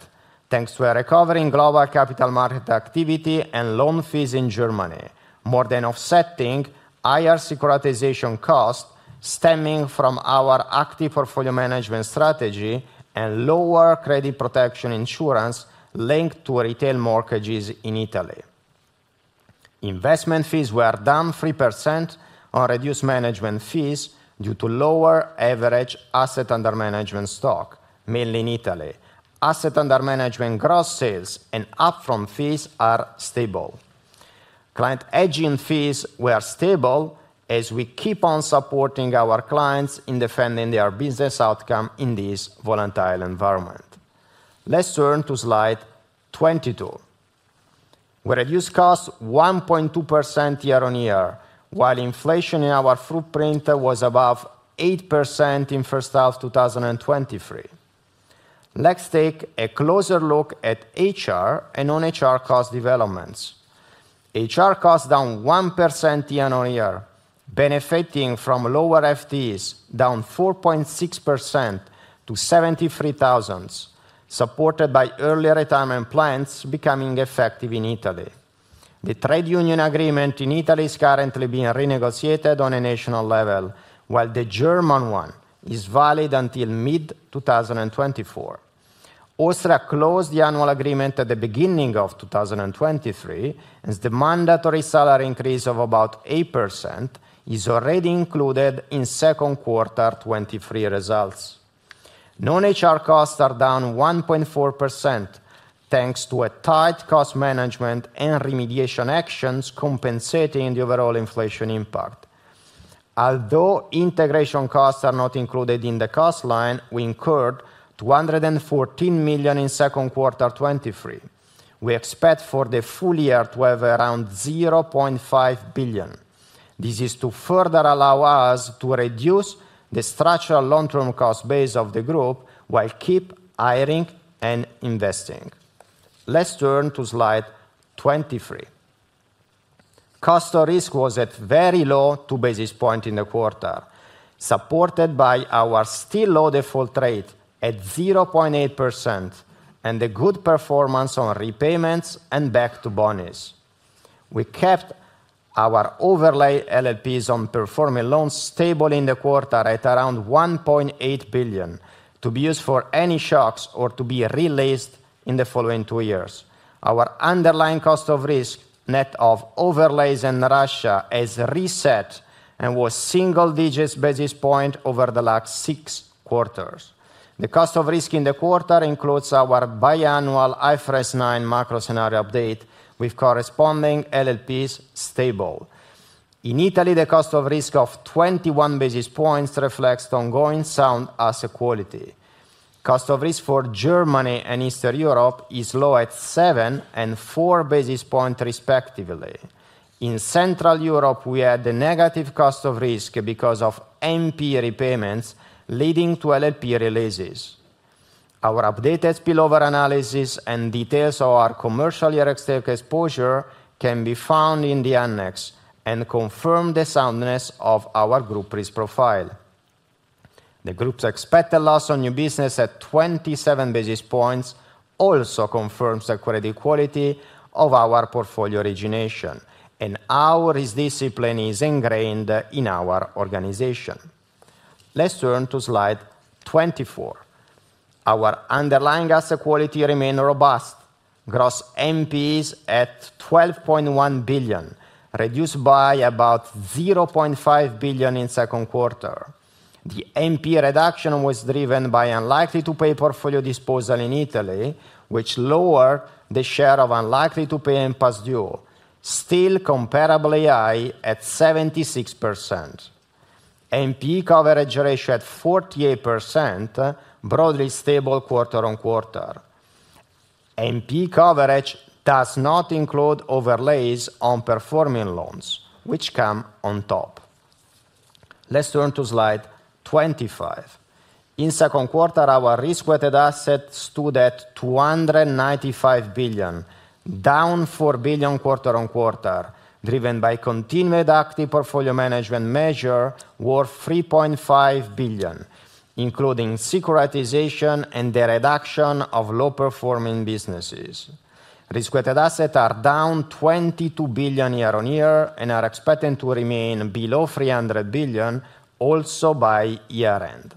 thanks to a recovering global capital market activity and loan fees in Germany, more than offsetting higher securitization costs stemming from our active portfolio management strategy and lower credit protection insurance linked to retail mortgages in Italy. Investment fees were down 3% on reduced management fees due to lower average asset under management stock, mainly in Italy. Asset under management gross sales and upfront fees are stable. Client aging fees were stable as we keep on supporting our clients in defending their business outcome in this volatile environment. Let's turn to slide 22. We reduced costs 1.2% year-on-year, while inflation in our footprint was above 8% in H1 2023. Let's take a closer look at HR and non-HR cost developments. HR costs down 1% year-on-year, benefiting from lower FTEs, down 4.6% to 73,000, supported by early retirement plans becoming effective in Italy. The trade union agreement in Italy is currently being renegotiated on a national level, while the German one is valid until mid-2024. Austria closed the annual agreement at the beginning of 2023, as the mandatory salary increase of about 8% is already included in Q2 2023 results. Non-HR costs are down 1.4%, thanks to a tight cost management and remediation actions compensating the overall inflation impact. Although integration costs are not included in the cost line, we incurred 214 million in second quarter 2023. We expect for the full year to have around 0.5 billion. This is to further allow us to reduce the structural long-term cost base of the group, while keep hiring and investing. Let's turn to slide 23. Cost of risk was at very low, 2 basis points in the quarter, supported by our still low default rate at 0.8% and the good performance on repayments and back to bonis. We kept our overlay LLPs on performing loans stable in the quarter at around 1.8 billion, to be used for any shocks or to be released in the following two years. Our underlying cost of risk, net of overlays in Russia, has reset and was single-digit basis points over the last six quarters. The cost of risk in the quarter includes our biannual IFRS 9 macro scenario update, with corresponding LLPs stable. In Italy, the cost of risk of 21 basis points reflects the ongoing sound asset quality. Cost of risk for Germany and Eastern Europe is low at 7 and 4 basis points, respectively. In Central Europe, we had the negative cost of risk because of NP repayments, leading to LLP releases. Our updated spillover analysis and details of our commercial real estate exposure can be found in the annex and confirm the soundness of our group risk profile. The group's expected loss on new business at 27 basis points also confirms the credit quality of our portfolio origination, and our risk discipline is ingrained in our organization. Let's turn to slide 24. Our underlying asset quality remain robust. Gross NPEs at 12.1 billion, reduced by about 0.5 billion in Q2. The NPE reduction was driven by unlikely to pay portfolio disposal in Italy, which lowered the share of unlikely to pay and past due, still comparably high at 76%. NPE coverage ratio at 48%, broadly stable quarter-on-quarter. NPE coverage does not include overlays on performing loans, which come on top. Let's turn to slide 25. In Q2, our Risk-Weighted Assets stood at 295 billion, down 4 billion quarter-on-quarter, driven by continued active portfolio management measure worth 3.5 billion, including securitization and the reduction of low-performing businesses. Risk-Weighted Assets are down 22 billion year-on-year and are expected to remain below 300 billion also by year-end.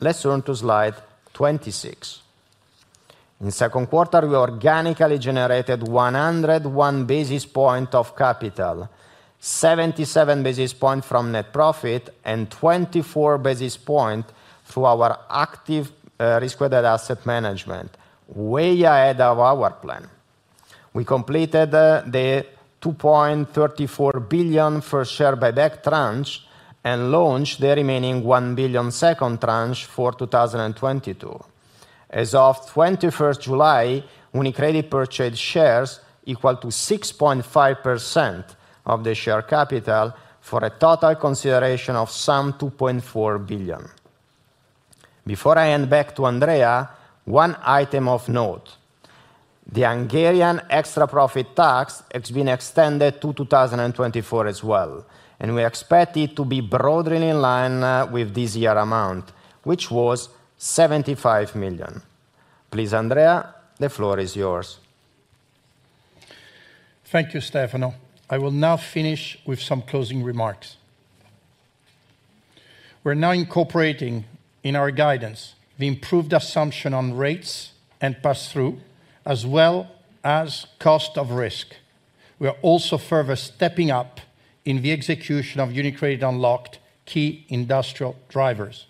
Let's turn to slide 26. In Q2, we organically generated 101 basis points of capital, 77 basis points from net profit, and 24 basis points through our active risk-weighted asset management, way ahead of our plan. We completed the 2.34 billion for share buyback tranche and launched the remaining 1 billion second tranche for 2022. As of 21st July, UniCredit purchased shares equal to 6.5% of the share capital for a total consideration of some 2.4 billion. Before I hand back to Andrea, one item of note: the Hungarian extra profit tax has been extended to 2024 as well. We expect it to be broadly in line with this year amount, which was 75 million. Please, Andrea, the floor is yours. Thank you, Stefano. I will now finish with some closing remarks. We're now incorporating in our guidance the improved assumption on rates and pass-through, as well as cost of risk. We are also further stepping up in the execution of UniCredit Unlocked key industrial drivers.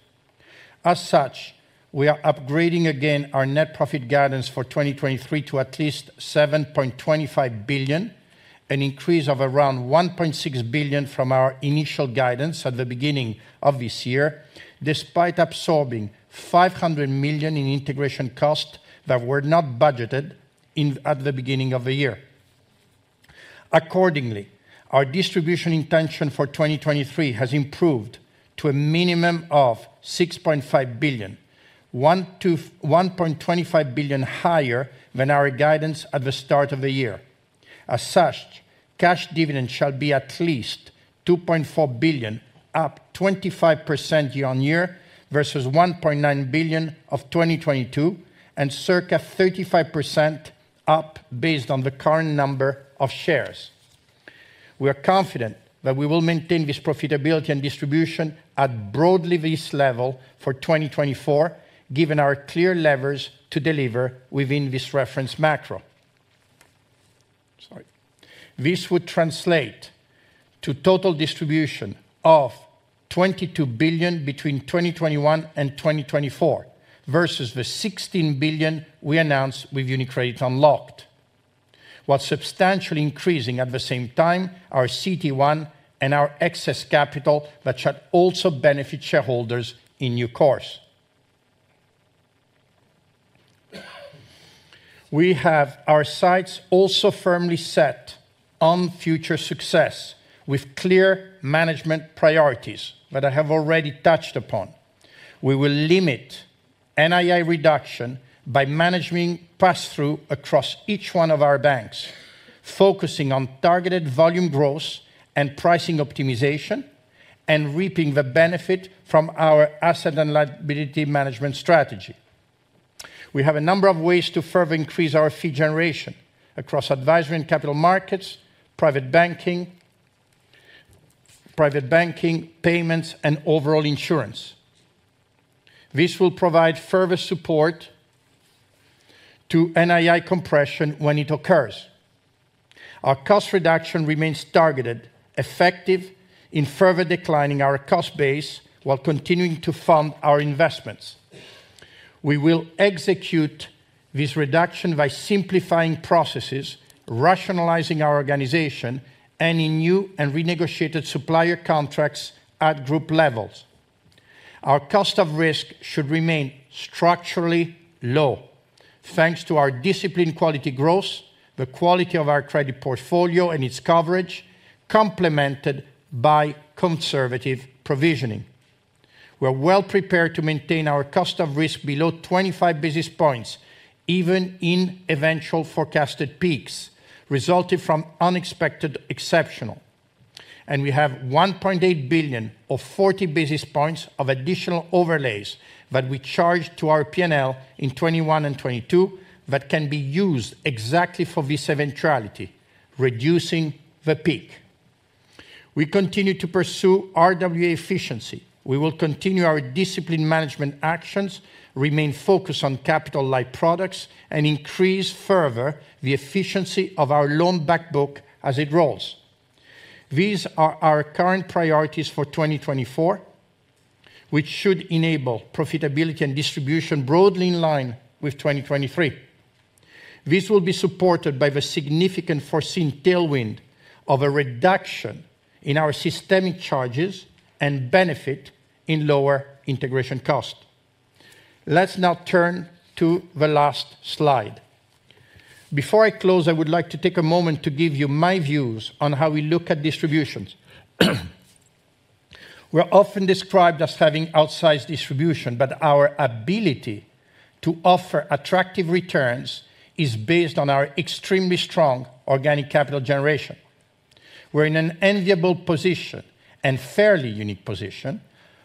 As such, we are upgrading again our net profit guidance for 2023 to at least 7.25 billion, an increase of around 1.6 billion from our initial guidance at the beginning of this year, despite absorbing 500 million in integration costs that were not budgeted at the beginning of the year. Accordingly, our distribution intention for 2023 has improved to a minimum of 6.5 billion, 1.25 billion higher than our guidance at the start of the year. Cash dividend shall be at least 2.4 billion, up 25% year on year, versus 1.9 billion of 2022, and circa 35% up based on the current number of shares. We are confident that we will maintain this profitability and distribution at broadly this level for 2024, given our clear levers to deliver within this reference macro. Sorry. This would translate to total distribution of 22 billion between 2021 and 2024, versus the 16 billion we announced with UniCredit Unlocked, while substantially increasing at the same time our CET1 and our excess capital that should also benefit shareholders in due course. We have our sights also firmly set on future success with clear management priorities that I have already touched upon. We will limit NII reduction by managing pass-through across each one of our banks, focusing on targeted volume growth and pricing optimization, and reaping the benefit from our asset and liability management strategy. We have a number of ways to further increase our fee generation across advisory and capital markets, private banking, payments, and overall insurance. This will provide further support to NII compression when it occurs. Our cost reduction remains targeted, effective in further declining our cost base while continuing to fund our investments. We will execute this reduction by simplifying processes, rationalizing our organization, and in new and renegotiated supplier contracts at group levels. Our cost of risk should remain structurally low. Thanks to our disciplined quality growth, the quality of our credit portfolio and its coverage, complemented by conservative provisioning. We're well prepared to maintain our cost of risk below 25 basis points, even in eventual forecasted peaks resulting from unexpected exceptional. We have 1.8 billion or 40 basis points of additional overlays that we charged to our P&L in 2021 and 2022, that can be used exactly for this eventuality, reducing the peak. We continue to pursue RWA efficiency. We will continue our discipline management actions, remain focused on capital-light products, and increase further the efficiency of our loan back book as it rolls. These are our current priorities for 2024, which should enable profitability and distribution broadly in line with 2023. This will be supported by the significant foreseen tailwind of a reduction in our systemic charges and benefit in lower integration cost. Let's now turn to the last slide. Before I close, I would like to take a moment to give you my views on how we look at distributions. We're often described as having outsized distribution, but our ability to offer attractive returns is based on our extremely strong organic capital generation. We're in an enviable position and fairly unique position,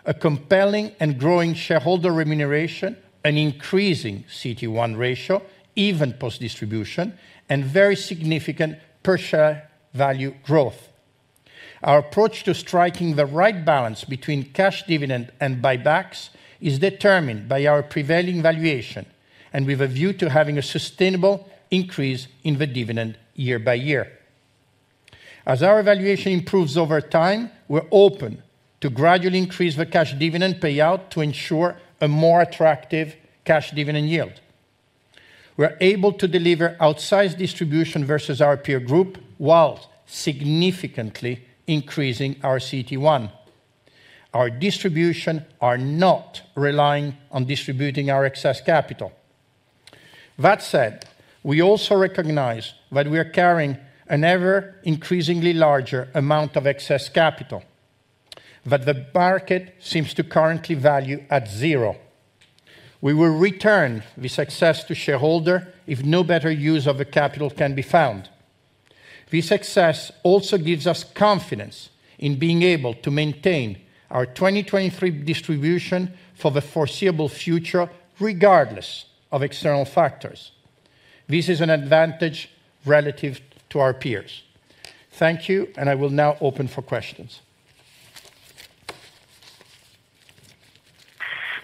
a compelling and growing shareholder remuneration, an increasing CET1 ratio, even post-distribution, and very significant per share value growth. Our approach to striking the right balance between cash dividend and buybacks is determined by our prevailing valuation, and with a view to having a sustainable increase in the dividend year by year. As our valuation improves over time, we're open to gradually increase the cash dividend payout to ensure a more attractive cash dividend yield. We're able to deliver outsized distribution versus our peer group, while significantly increasing our CET1. Our distribution are not relying on distributing our excess capital. That said, we also recognize that we are carrying an ever increasingly larger amount of excess capital, that the market seems to currently value at zero. We will return the success to shareholder if no better use of the capital can be found. This success also gives us confidence in being able to maintain our 2023 distribution for the foreseeable future, regardless of external factors. This is an advantage relative to our peers. Thank you, and I will now open for questions.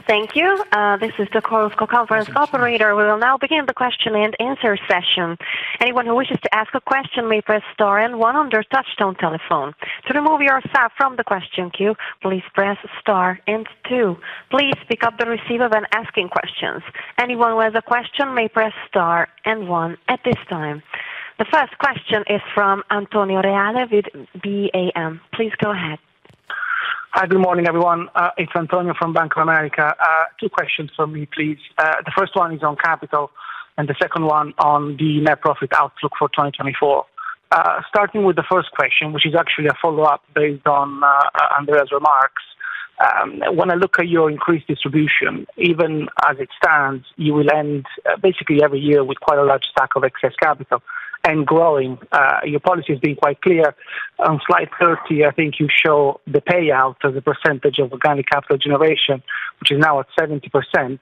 Thank you. This is the call conference operator. We will now begin the question-and-answer session. Anyone who wishes to ask a question may press star and one on their touchtone telephone. To remove yourself from the question queue, please press star and two. Please pick up the receiver when asking questions. Anyone who has a question may press star and one at this time. The first question is from Antonio Reale with BAM. Please go ahead. Hi, good morning, everyone. It's Antonio from Bank of America. Two questions from me, please. The first one is on capital and the second one on the net profit outlook for 2024. Starting with the first question, which is actually a follow-up based on Andrea's remarks. When I look at your increased distribution, even as it stands, you will end basically every year with quite a large stack of excess capital and growing. Your policy has been quite clear. On slide 30, I think you show the payout as a percentage of organic capital generation, which is now at 70%.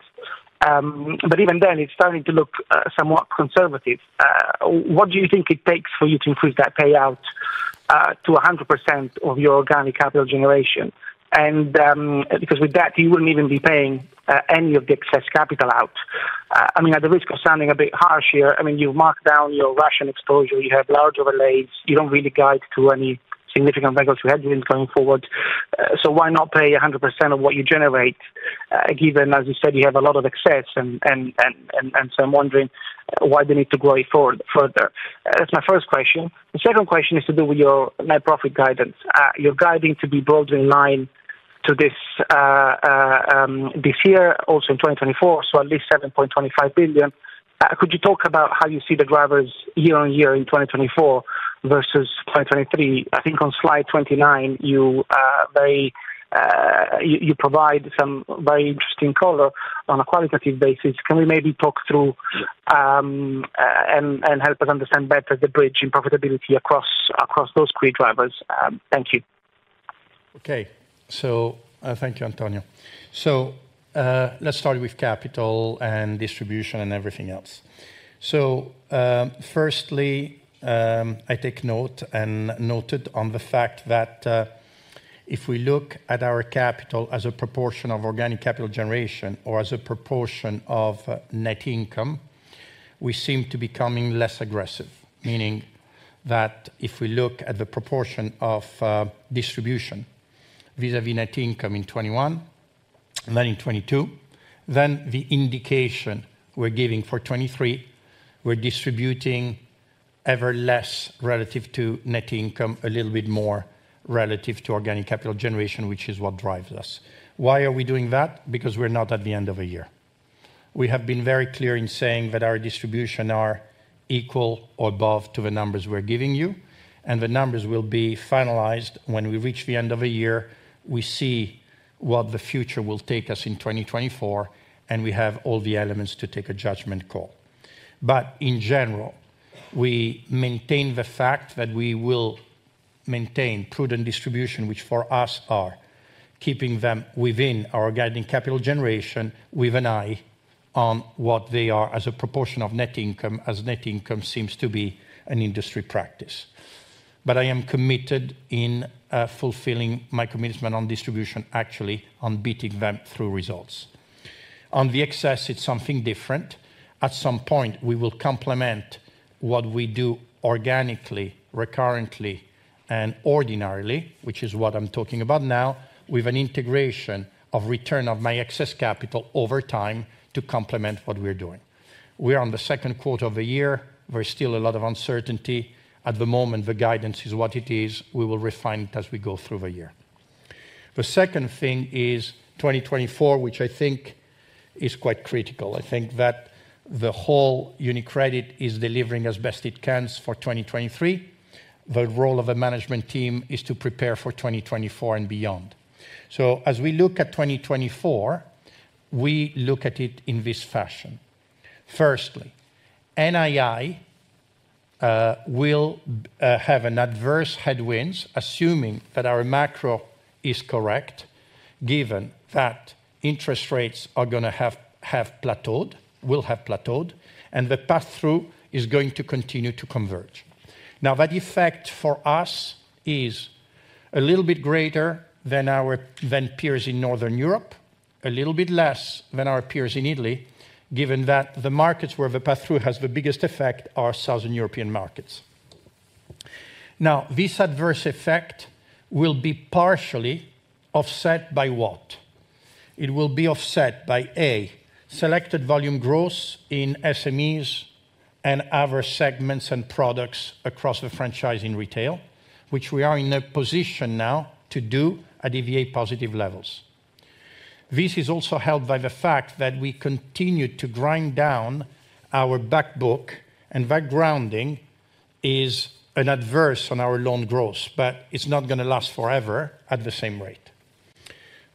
Even then, it's starting to look somewhat conservative. What do you think it takes for you to increase that payout to 100% of your organic capital generation? Because with that, you wouldn't even be paying any of the excess capital out. I mean, at the risk of sounding a bit harsh here, I mean, you've marked down your Russian exposure, you have large overlays, you don't really guide to any significant regulatory headroom going forward. Why not pay 100% of what you generate, given, as you said, you have a lot of excess and so I'm wondering why the need to go further? That's my first question. The second question is to do with your net profit guidance. You're guiding to be broadly in line to this this year, also in 2024, at least 7.25 billion. Could you talk about how you see the drivers year-on-year in 2024 versus 2023? I think on slide 29, you very, you provide some very interesting color on a qualitative basis. Can we maybe talk through and help us understand better the bridge in profitability across those key drivers? Thank you. Okay. Thank you, Antonio. Let's start with capital and distribution and everything else. Firstly, I take note and noted on the fact that, if we look at our capital as a proportion of organic capital generation or as a proportion of net income, we seem to be becoming less aggressive. Meaning that if we look at the proportion of distribution vis-a-vis net income in 2021, and then in 2022, then the indication we're giving for 2023, we're distributing ever less relative to net income, a little bit more relative to organic capital generation, which is what drives us. Why are we doing that? Because we're not at the end of a year. We have been very clear in saying that our distribution are equal or above to the numbers we're giving you, and the numbers will be finalized when we reach the end of a year, we see what the future will take us in 2024, and we have all the elements to take a judgment call. In general, we maintain the fact that we will maintain prudent distribution, which for us are keeping them within our guiding capital generation, with an eye on what they are as a proportion of net income, as net income seems to be an industry practice. I am committed in fulfilling my commitment on distribution, actually, on beating them through results. On the excess, it's something different. At some point, we will complement what we do organically, recurrently, and ordinarily, which is what I'm talking about now, with an integration of return of my excess capital over time to complement what we are doing. We are on the second quarter of the year. There is still a lot of uncertainty. At the moment, the guidance is what it is. We will refine it as we go through the year. The second thing is 2024, which I think is quite critical. I think that the whole UniCredit is delivering as best it can for 2023. The role of a management team is to prepare for 2024 and beyond. As we look at 2024, we look at it in this fashion: firstly, NII will have an adverse headwinds, assuming that our macro is correct, given that interest rates are gonna have plateaued, will have plateaued, and the pass-through is going to continue to converge. That effect for us is a little bit greater than peers in Northern Europe, a little bit less than our peers in Italy, given that the markets where the pass-through has the biggest effect are Southern European markets. This adverse effect will be partially offset by what? It will be offset by, A, selected volume growth in SMEs and other segments and products across the franchise in retail, which we are in a position now to do at EVA positive levels. This is also helped by the fact that we continue to grind down our back book, that grounding is an adverse on our loan growth, but it's not gonna last forever at the same rate.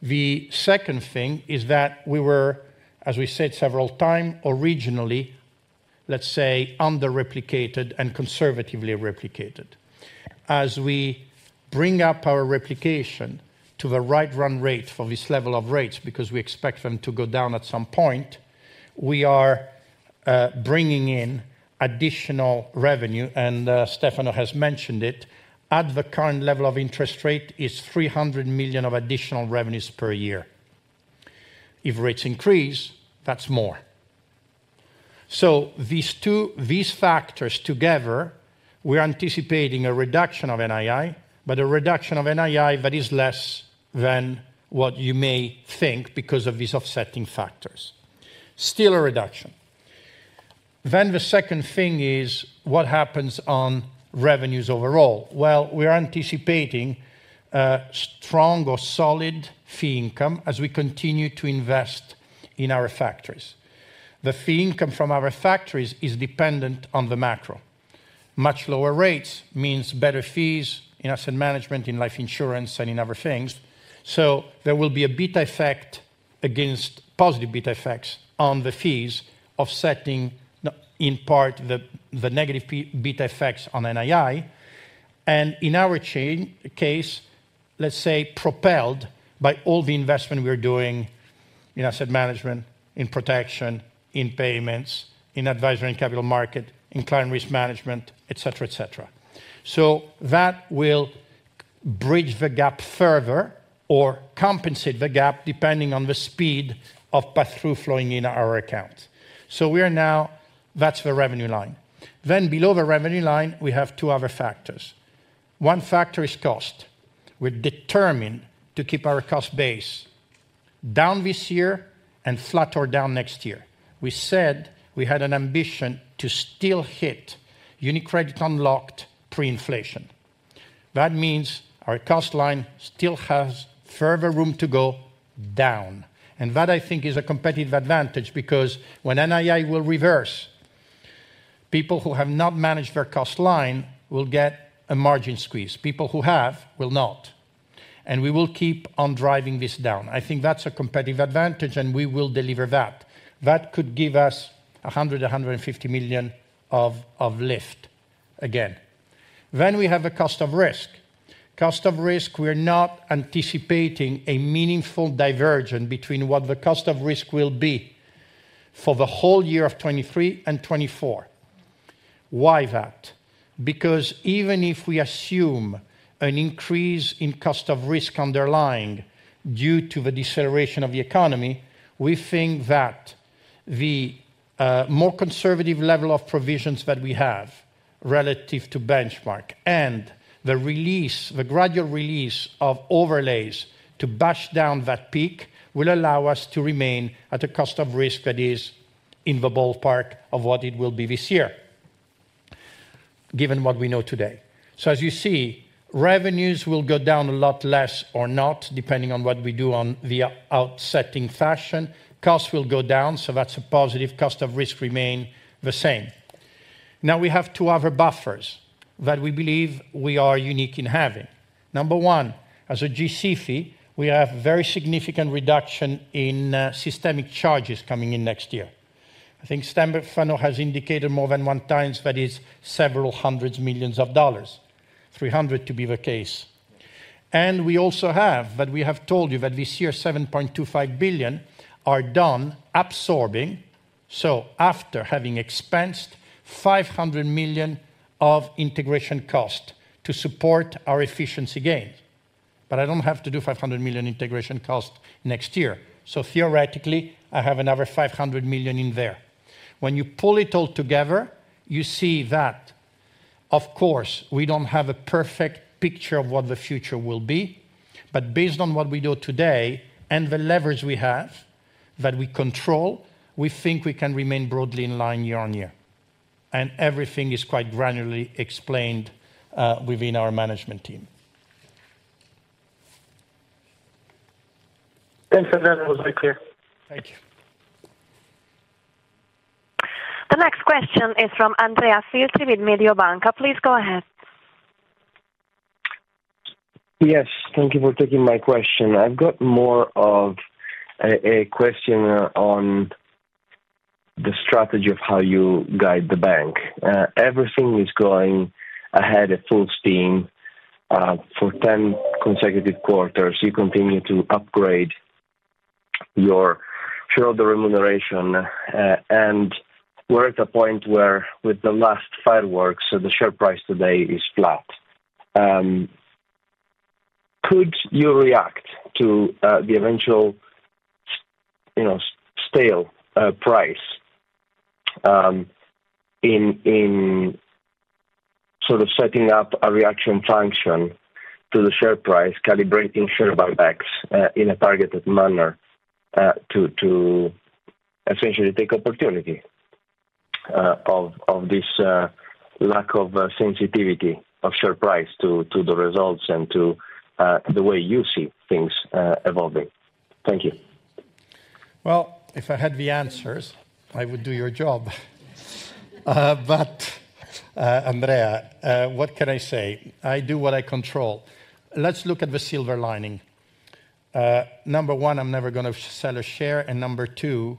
The second thing is that we were, as we said several time, originally, let's say, under-replicated and conservatively replicated. As we bring up our replication to the right run rate for this level of rates, because we expect them to go down at some point, we are bringing in additional revenue, Stefano has mentioned it, at the current level of interest rate is 300 million of additional revenues per year. If rates increase, that's more. These factors together, we're anticipating a reduction of NII, but a reduction of NII that is less than what you may think because of these offsetting factors. Still a reduction. The second thing is what happens on revenues overall. We are anticipating a strong or solid fee income as we continue to invest in our factories. The fee income from our factories is dependent on the macro. Much lower rates means better fees in asset management, in life insurance, and in other things. There will be a beta effect against positive beta effects on the fees, offsetting the, in part, the negative beta effects on NII, and in our chain, case, let's say, propelled by all the investment we are doing in asset management, in protection, in payments, in advisory and capital market, in client risk management, et cetera, et cetera. That will bridge the gap further or compensate the gap, depending on the speed of pass-through flowing in our accounts. We are now... That's the revenue line. Below the revenue line, we have two other factors. One factor is cost. We're determined to keep our cost base down this year and flat or down next year. We said we had an ambition to still hit UniCredit Unlocked pre-inflation. That means our cost line still has further room to go down, and that, I think, is a competitive advantage, because when NII will reverse, people who have not managed their cost line will get a margin squeeze. People who have, will not. We will keep on driving this down. I think that's a competitive advantage, and we will deliver that. That could give us 100 million-150 million of lift again. Then we have a cost of risk. Cost of risk, we're not anticipating a meaningful divergence between what the cost of risk will be for the whole year of 2023 and 2024. Why that? Even if we assume an increase in cost of risk underlying due to the deceleration of the economy, we think that the more conservative level of provisions that we have relative to benchmark and the release, the gradual release of overlays to bash down that peak, will allow us to remain at a cost of risk that is in the ballpark of what it will be this year given what we know today. As you see, revenues will go down a lot less or not, depending on what we do on the offsetting fashion. Costs will go down, that's a positive. Cost of risk remain the same. We have two other buffers that we believe we are unique in having. Number one, as a G-SIB fee, we have very significant reduction in systemic charges coming in next year. I think Stefano has indicated more than 1 times, that is several hundreds, millions of EUR 300 million to be the case. We also have, we have told you that this year, 7.25 billion are done absorbing. After having expensed 500 million of integration cost to support our efficiency gain. I don't have to do 500 million integration cost next year. Theoretically, I have another 500 million in there. When you pull it all together, you see that of course, we don't have a perfect picture of what the future will be, but based on what we do today and the leverage we have, that we control, we think we can remain broadly in line year-over-year, and everything is quite granularly explained, within our management team. Thanks for that. It was very clear. Thank you. The next question is from Andrea Filtri with Mediobanca. Please go ahead. Yes, thank you for taking my question. I've got more of a question on the strategy of how you guide the bank. Uh, everything is going ahead at full steam, uh, for ten consecutive quarters. You continue to upgrade your shareholder remuneration, uh, and we're at a point where with the last fireworks, so the share price today is flat. Um, could you react to, uh, the eventual, you know, s-stale, uh, price, um, in sort of setting up a reaction function to the share price, calibrating share buybacks, uh, in a targeted manner, uh, to essentially take opportunity, uh, of this, uh, lack of, uh, sensitivity of share price to the results and to, uh, the way you see things, uh, evolving? Thank you. Well, if I had the answers, I would do your job. Andrea, what can I say? I do what I control. Let's look at the silver lining. number one, I'm never gonna sell a share, and number two,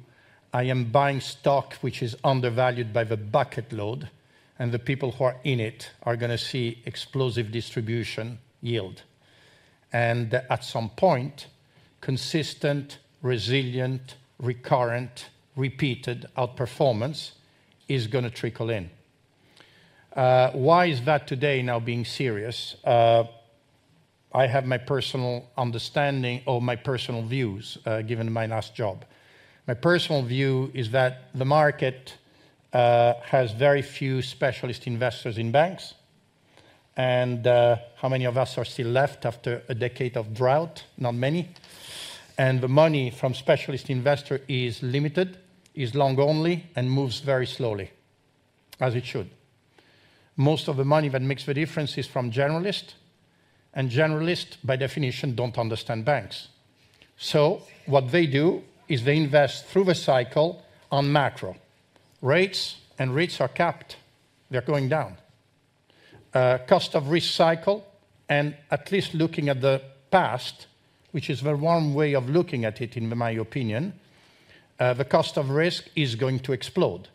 I am buying stock which is undervalued by the bucket load, and the people who are in it are gonna see explosive distribution yield. At some point, consistent, resilient, recurrent, repeated outperformance is gonna trickle in. Why is that today, now being serious? I have my personal understanding or my personal views, given my last job. My personal view is that the market has very few specialist investors in banks. How many of us are still left after a decade of drought? Not many. The money from specialist investor is limited, is long only, and moves very slowly, as it should. Most of the money that makes the difference is from generalists, and generalists, by definition, don't understand banks. What they do is they invest through the cycle on macro. Rates and rates are capped. They're going down. Cost of risk cycle, and at least looking at the past, which is the one way of looking at it, in my opinion, the cost of risk is going to explode.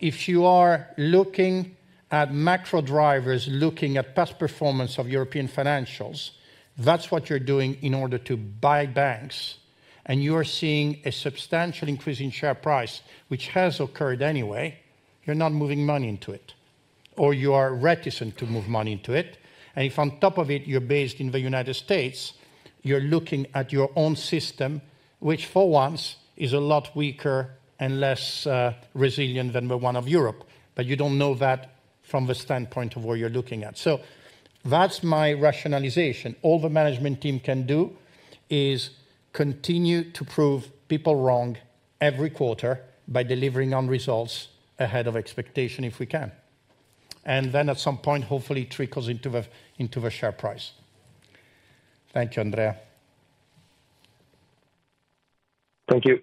If you are looking at macro drivers, looking at past performance of European financials, that's what you're doing in order to buy banks, and you are seeing a substantial increase in share price, which has occurred anyway, you're not moving money into it, or you are reticent to move money into it. If on top of it, you're based in the United States, you're looking at your own system, which for once, is a lot weaker and less resilient than the one of Europe, but you don't know that from the standpoint of where you're looking at. That's my rationalization. All the management team can do is continue to prove people wrong every quarter by delivering on results ahead of expectation, if we can, and then at some point, hopefully it trickles into the, into the share price. Thank you, Andrea. Thank you.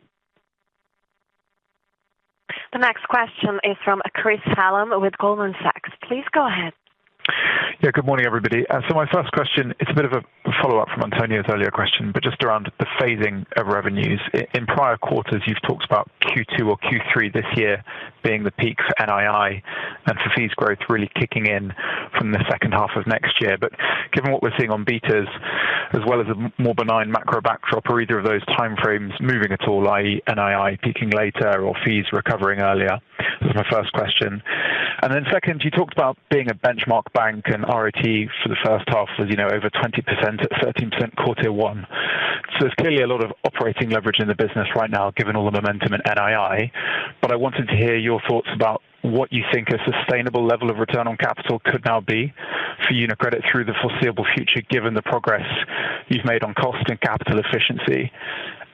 The next question is from Chris Hallam with Goldman Sachs. Please go ahead. Good morning, everybody. My first question, it's a bit of a follow-up from Antonio's earlier question, just around the phasing of revenues. In prior quarters, you've talked about Q2 or Q3 this year being the peak for NII and for fees growth really kicking in from the second half of next year. Given what we're seeing on betas, as well as a more benign macro backdrop, are either of those time frames moving at all, i.e., NII peaking later or fees recovering earlier? That's my first question. Second, you talked about being a benchmark bank and RoTE for the first half, as you know, over 20%, at 13% Q1. There's clearly a lot of operating leverage in the business right now, given all the momentum in NII. I wanted to hear your thoughts about what you think a sustainable level of return on capital could now be for UniCredit through the foreseeable future, given the progress you've made on cost and capital efficiency?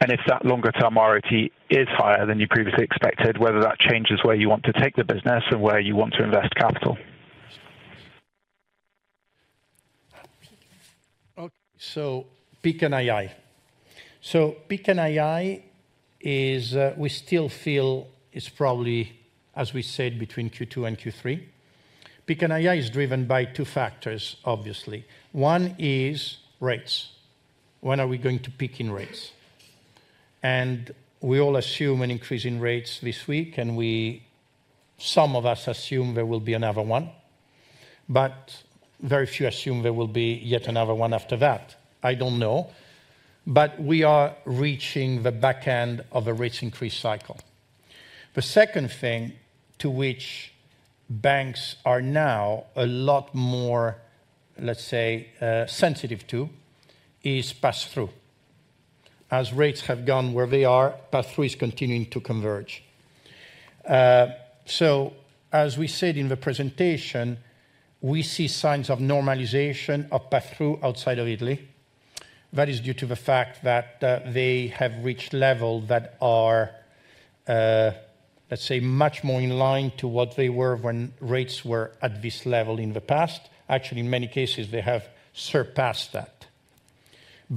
If that longer term ROT is higher than you previously expected, whether that changes where you want to take the business and where you want to invest capital? Peak NII. Peak NII is, we still feel is probably, as we said, between Q2 and Q3. Peak NII is driven by two factors, obviously. One is rates. When are we going to peak in rates? We all assume an increase in rates this week, and some of us assume there will be another one, but very few assume there will be yet another one after that. I don't know, but we are reaching the back end of a rates increase cycle. The second thing to which banks are now a lot more, let's say, sensitive to, is pass-through. As rates have gone where they are, pass-through is continuing to converge. As we said in the presentation, we see signs of normalization of pass-through outside of Italy. That is due to the fact that they have reached level that are, let's say, much more in line to what they were when rates were at this level in the past. In many cases, they have surpassed that,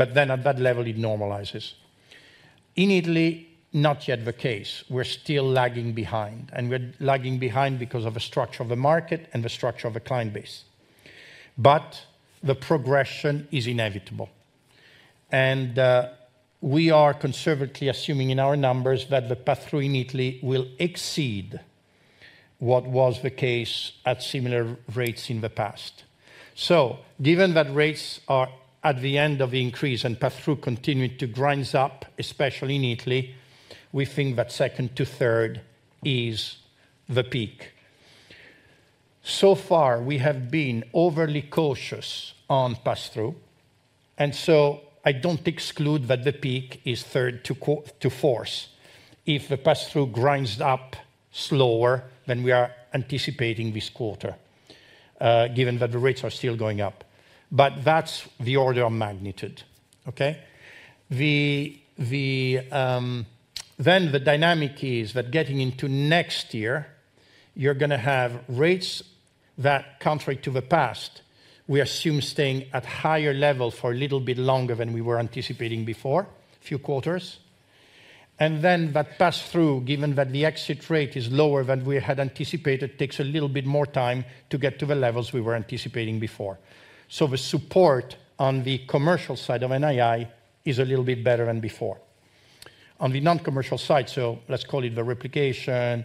at that level, it normalizes. In Italy, not yet the case. We're still lagging behind, we're lagging behind because of the structure of the market and the structure of the client base. The progression is inevitable, we are conservatively assuming in our numbers that the pass-through in Italy will exceed what was the case at similar rates in the past. Given that rates are at the end of the increase and pass-through continue to grinds up, especially in Italy, we think that second to third is the peak. So far, we have been overly cautious on pass-through. I don't exclude that the peak is third to fourth, if the pass-through grinds up slower than we are anticipating this quarter, given that the rates are still going up. That's the order of magnitude, okay? The dynamic is that getting into next year, you're gonna have rates that, contrary to the past, we assume staying at higher level for a little bit longer than we were anticipating before, few quarters. That pass-through, given that the exit rate is lower than we had anticipated, takes a little bit more time to get to the levels we were anticipating before. The support on the commercial side of NII is a little bit better than before. On the non-commercial side, so let's call it the replication,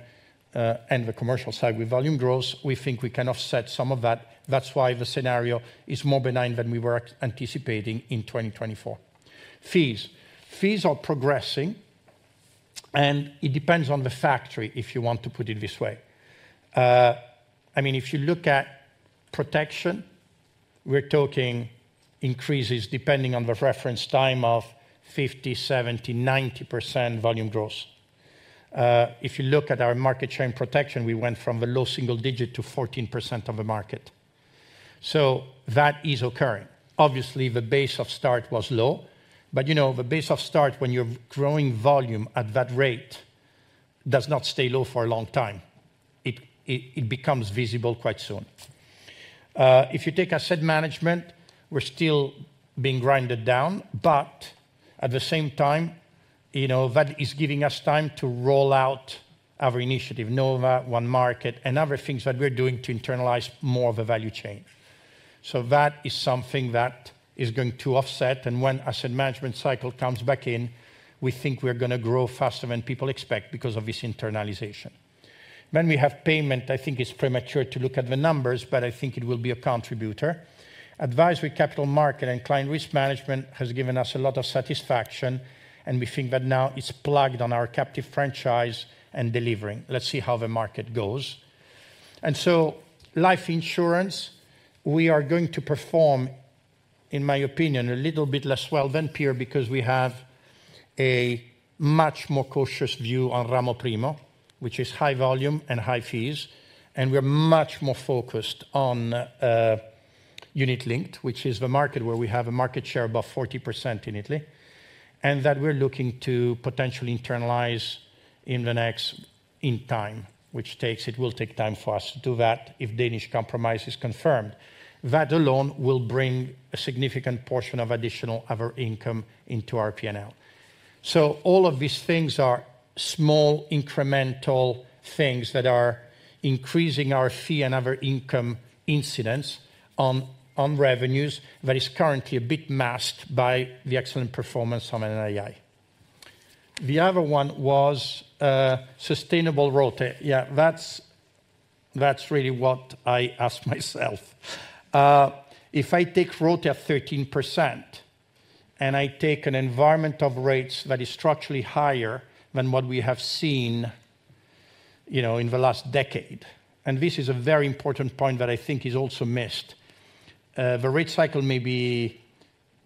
and the commercial side, with volume growth, we think we can offset some of that. That's why the scenario is more benign than we were anticipating in 2024. Fees. Fees are progressing, and it depends on the factory, if you want to put it this way. I mean, if you look at protection, we're talking increases, depending on the reference time, of 50%, 70%, 90% volume growth. If you look at our market share in protection, we went from a low single digit to 14% of the market. That is occurring. Obviously, the base of start was low, but, you know, the base of start when you're growing volume at that rate does not stay low for a long time. It becomes visible quite soon. If you take asset management, we're still being grinded down, but at the same time, you know, that is giving us time to roll out our initiative, Nova, onemarkets, and other things that we're doing to internalize more of the value chain. That is something that is going to offset, and when asset management cycle comes back in, we think we're gonna grow faster than people expect because of this internalization. When we have payment, I think it's premature to look at the numbers, but I think it will be a contributor. Advisory capital market and client risk management has given us a lot of satisfaction, and we think that now it's plugged on our captive franchise and delivering. Let's see how the market goes. Life insurance, we are going to perform, in my opinion, a little bit less well than peer because we have a much more cautious view on Ramo Primo, which is high volume and high fees, and we are much more focused on unit linked, which is the market where we have a market share above 40% in Italy, and that we're looking to potentially internalize in time, which will take time for us to do that if Danish Compromise is confirmed. That alone will bring a significant portion of additional other income into our PNL. All of these things are small, incremental things that are increasing our fee and other income incidents on revenues that is currently a bit masked by the excellent performance on NII. The other one was sustainable ROTE. Yeah, that's really what I ask myself. If I take ROTE at 13%, and I take an environment of rates that is structurally higher than what we have seen, you know, in the last decade, and this is a very important point that I think is also missed. The rate cycle may be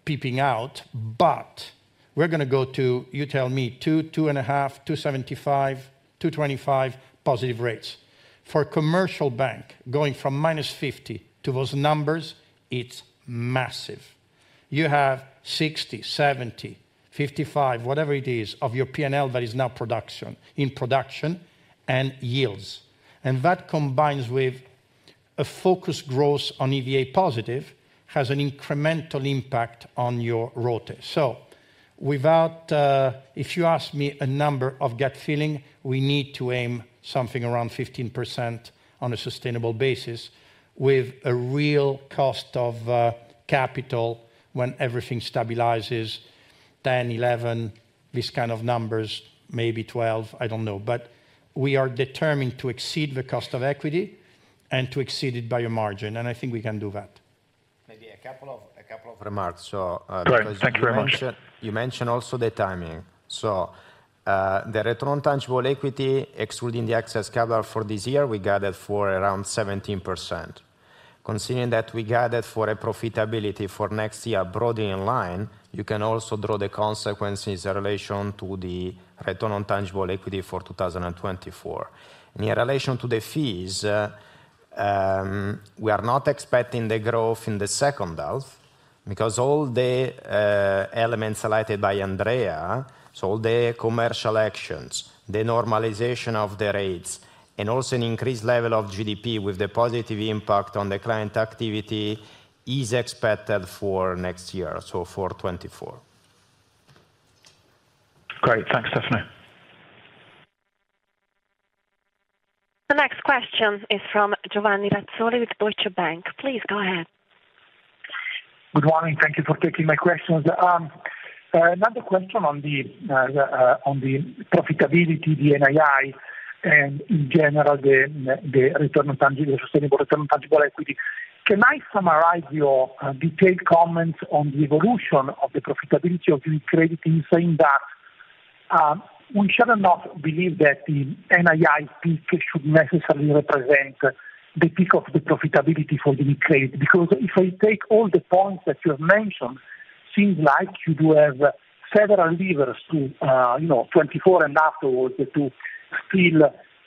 peeping out, but we're gonna go to, you tell me, 2%, 2.5%, 2.75%, 2.25% positive rates. For a commercial bank, going from -50% to those numbers, it's massive. You have 60%, 70%, 55%, whatever it is, of your PNL that is now in production and yields. That combines with a focused growth on EVA positive, has an incremental impact on your ROTE. Without, if you ask me a number of gut feeling, we need to aim something around 15% on a sustainable basis, with a real cost of, capital when everything stabilizes, 10%, 11%, these kind of numbers, maybe 12%, I don't know. We are determined to exceed the cost of equity and to exceed it by a margin, and I think we can do that. Maybe a couple of remarks. All right, thank you very much. You mentioned also the timing. The return on tangible equity, excluding the excess capital for this year, we guided for around 17%. Considering that we guided for a profitability for next year broadly in line, you can also draw the consequences in relation to the return on tangible equity for 2024. In relation to the fees, we are not expecting the growth in the second half, because all the elements highlighted by Andrea, so all the commercial actions, the normalization of the rates, and also an increased level of GDP with the positive impact on the client activity, is expected for next year, so for 2024. Great. Thanks, Stefano. The next question is from Giovanni Razzoli with Deutsche Bank. Please go ahead. Good morning, thank you for taking my questions. another question on the profitability, the NII, and in general, the return on tangible, sustainable return on tangible equity. Can I summarize your detailed comments on the evolution of the profitability of UniCredit in saying that we should not believe that the NII peak should necessarily represent the peak of the profitability for UniCredit? If I take all the points that you have mentioned, seems like you do have several levers to, you know, 2024 and afterwards, to still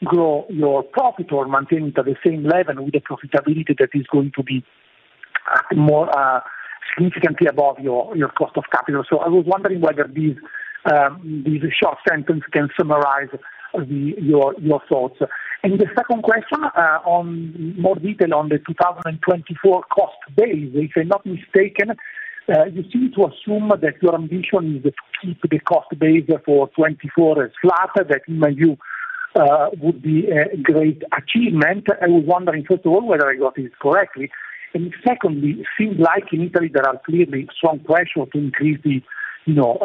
grow your profit or maintain it at the same level with the profitability that is going to be more significantly above your cost of capital. I was wondering whether these short sentence can summarize your thoughts. The second question, on more detail on the 2024 cost base, if I'm not mistaken, you seem to assume that your ambition is to keep the cost base for 2024 as flat. That in my view, would be a great achievement. I was wondering, first of all, whether I got this correctly. Secondly, it seems like in Italy, there are clearly some pressure to increase the, you know,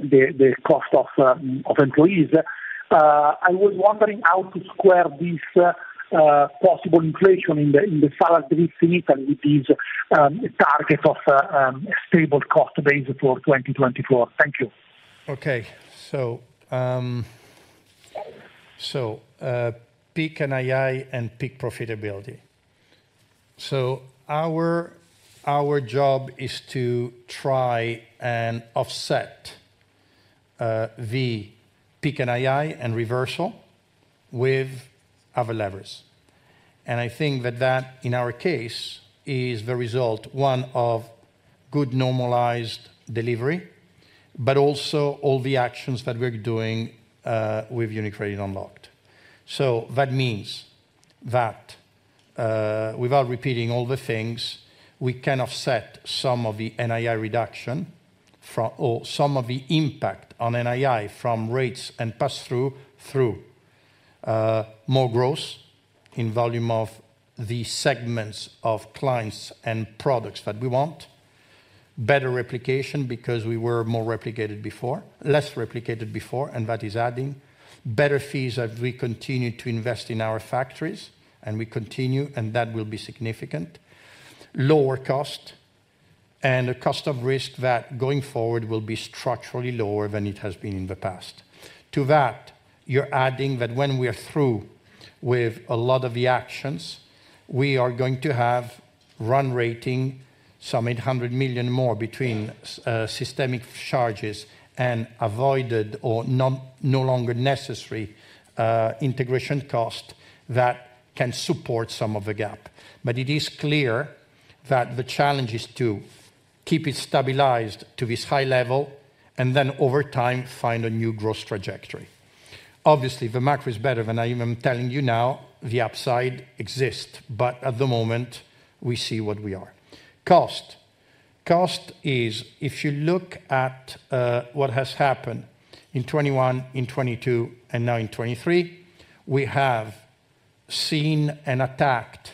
the cost of employees. I was wondering how to square this possible inflation in the salary in Italy with this target of stable cost base for 2024. Thank you. Peak NII and peak profitability. Our job is to try and offset the peak NII and reversal with other levers. I think that that, in our case, is the result, one, of good normalized delivery, but also all the actions that we're doing with UniCredit Unlocked. That means that without repeating all the things, we can offset some of the NII reduction from or some of the impact on NII from rates and pass-through, through more growth in volume of the segments of clients and products that we want. Better replication, because we were less replicated before, and that is adding. Better fees as we continue to invest in our factories, and we continue, and that will be significant. Lower cost, a cost of risk that, going forward, will be structurally lower than it has been in the past. To that, you're adding that when we are through with a lot of the actions, we are going to have run rating some 800 million more between systemic charges and avoided or non, no longer necessary, integration cost that can support some of the gap. It is clear that the challenge is to keep it stabilized to this high level, over time, find a new growth trajectory. Obviously, the macro is better than I am telling you now. The upside exists, but at the moment, we see what we are. Cost. Cost is, if you look at what has happened in 2021, in 2022, and now in 2023, we have seen and attacked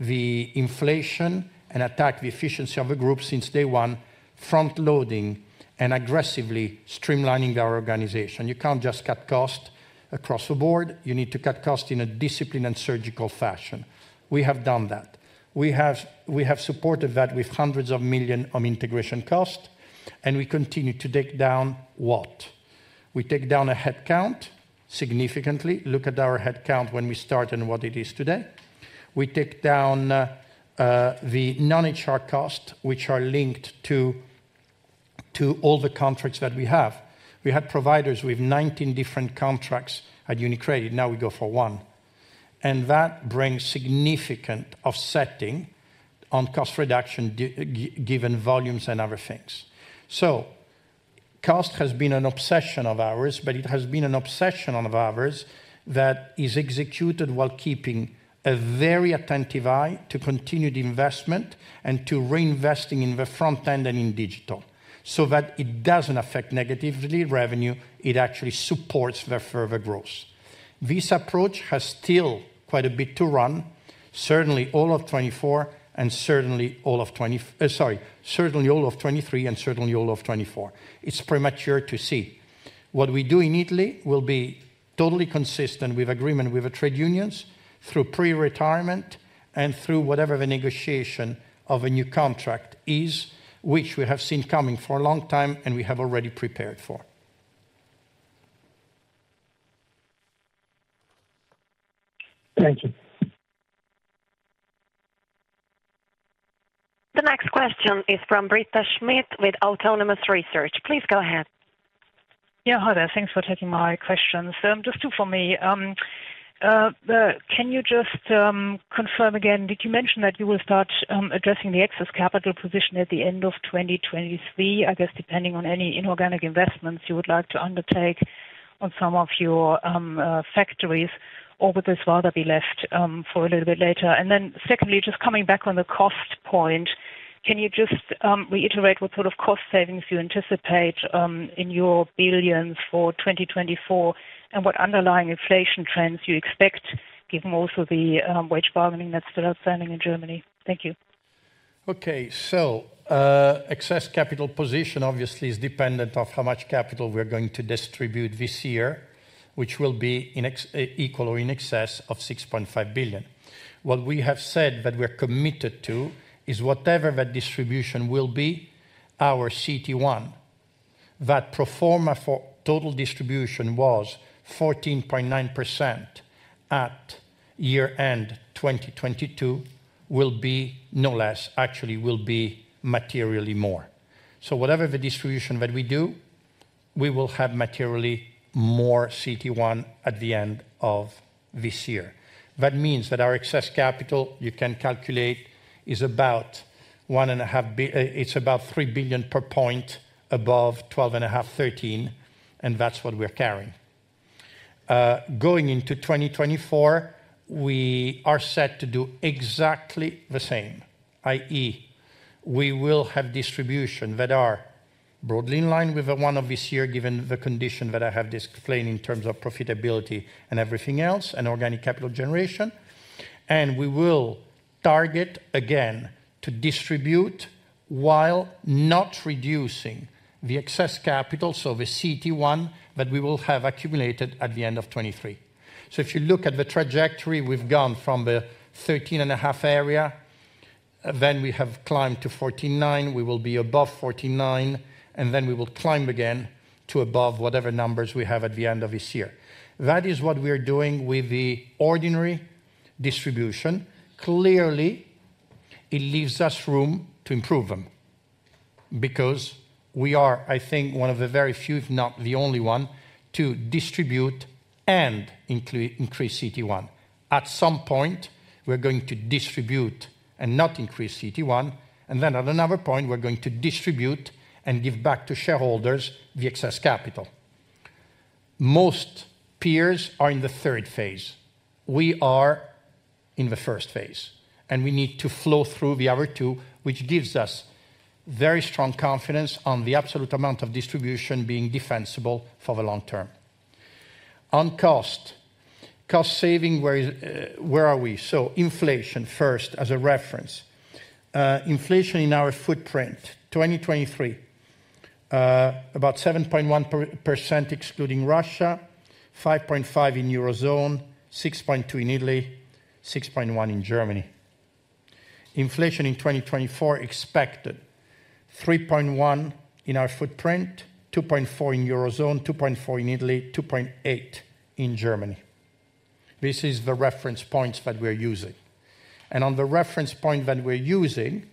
the inflation and attacked the efficiency of the group since day one, front loading and aggressively streamlining our organization. You can't just cut cost across the board, you need to cut cost in a disciplined and surgical fashion. We have done that. We have supported that with hundreds of million EUR on integration cost, and we continue to take down what? We take down a headcount significantly. Look at our headcount when we start and what it is today. We take down the non-HR cost, which are linked to all the contracts that we have. We had providers with 19 different contracts at UniCredit, now we go for one. That brings significant offsetting on cost reduction given volumes and other things. Cost has been an obsession of ours, but it has been an obsession of ours that is executed while keeping a very attentive eye to continued investment and to reinvesting in the front end and in digital, so that it doesn't affect negatively revenue, it actually supports the further growth. This approach has still quite a bit to run, certainly all of 2024. Sorry, certainly all of 2023 and certainly all of 2024. It's premature to see. What we do in Italy will be totally consistent with agreement with the trade unions through pre-retirement and through whatever the negotiation of a new contract is, which we have seen coming for a long time and we have already prepared for. Thank you. The next question is from Britta Schmidt with Autonomous Research. Please go ahead. Yeah, hi there. Thanks for taking my questions. Just two for me. Can you just confirm again, did you mention that you will start addressing the excess capital position at the end of 2023, I guess, depending on any inorganic investments you would like to undertake on some of your factories, or would this rather be left for a little bit later? Secondly, just coming back on the cost point, can you just reiterate what sort of cost savings you anticipate in your billions for 2024, and what underlying inflation trends you expect, given also the wage bargaining that's still outstanding in Germany? Thank you. Excess capital position obviously is dependent on how much capital we're going to distribute this year, which will be equal or in excess of 6.5 billion. What we have said that we're committed to, is whatever the distribution will be, our CET1, that pro forma for total distribution was 14.9% at year-end 2022, will be no less, actually will be materially more. Whatever the distribution that we do, we will have materially more CET1 at the end of this year. That means that our excess capital, you can calculate, is about 3 billion per point above 12.5%, 13%, and that's what we're carrying. Going into 2024, we are set to do exactly the same, i.e., we will have distribution that are broadly in line with the one of this year, given the condition that I have explained in terms of profitability and everything else, and organic capital generation. We will target again to distribute while not reducing the excess capital, so the CET1, that we will have accumulated at the end of 2023. If you look at the trajectory, we've gone from the 13.5% area, then we have climbed to 14.9%, we will be above 14.9%, and then we will climb again to above whatever numbers we have at the end of this year. That is what we are doing with the ordinary distribution. Clearly, it leaves us room to improve them, because we are, I think, one of the very few, if not the only one, to distribute and increase CET1. At some point, we're going to distribute and not increase CET1, then at another point, we're going to distribute and give back to shareholders the excess capital. Most peers are in the third phase. We are in the first phase, we need to flow through the other two, which gives us very strong confidence on the absolute amount of distribution being defensible for the long term. On cost saving, where is, where are we? Inflation, first, as a reference. Inflation in our footprint, 2023, about 7.1%, excluding Russia, 5.5% in Eurozone, 6.2% in Italy, 6.1% in Germany. Inflation in 2024 expected 3.1% in our footprint, 2.4% in Eurozone, 2.4% in Italy, 2.8% in Germany. This is the reference points that we're using. On the reference point that we're using,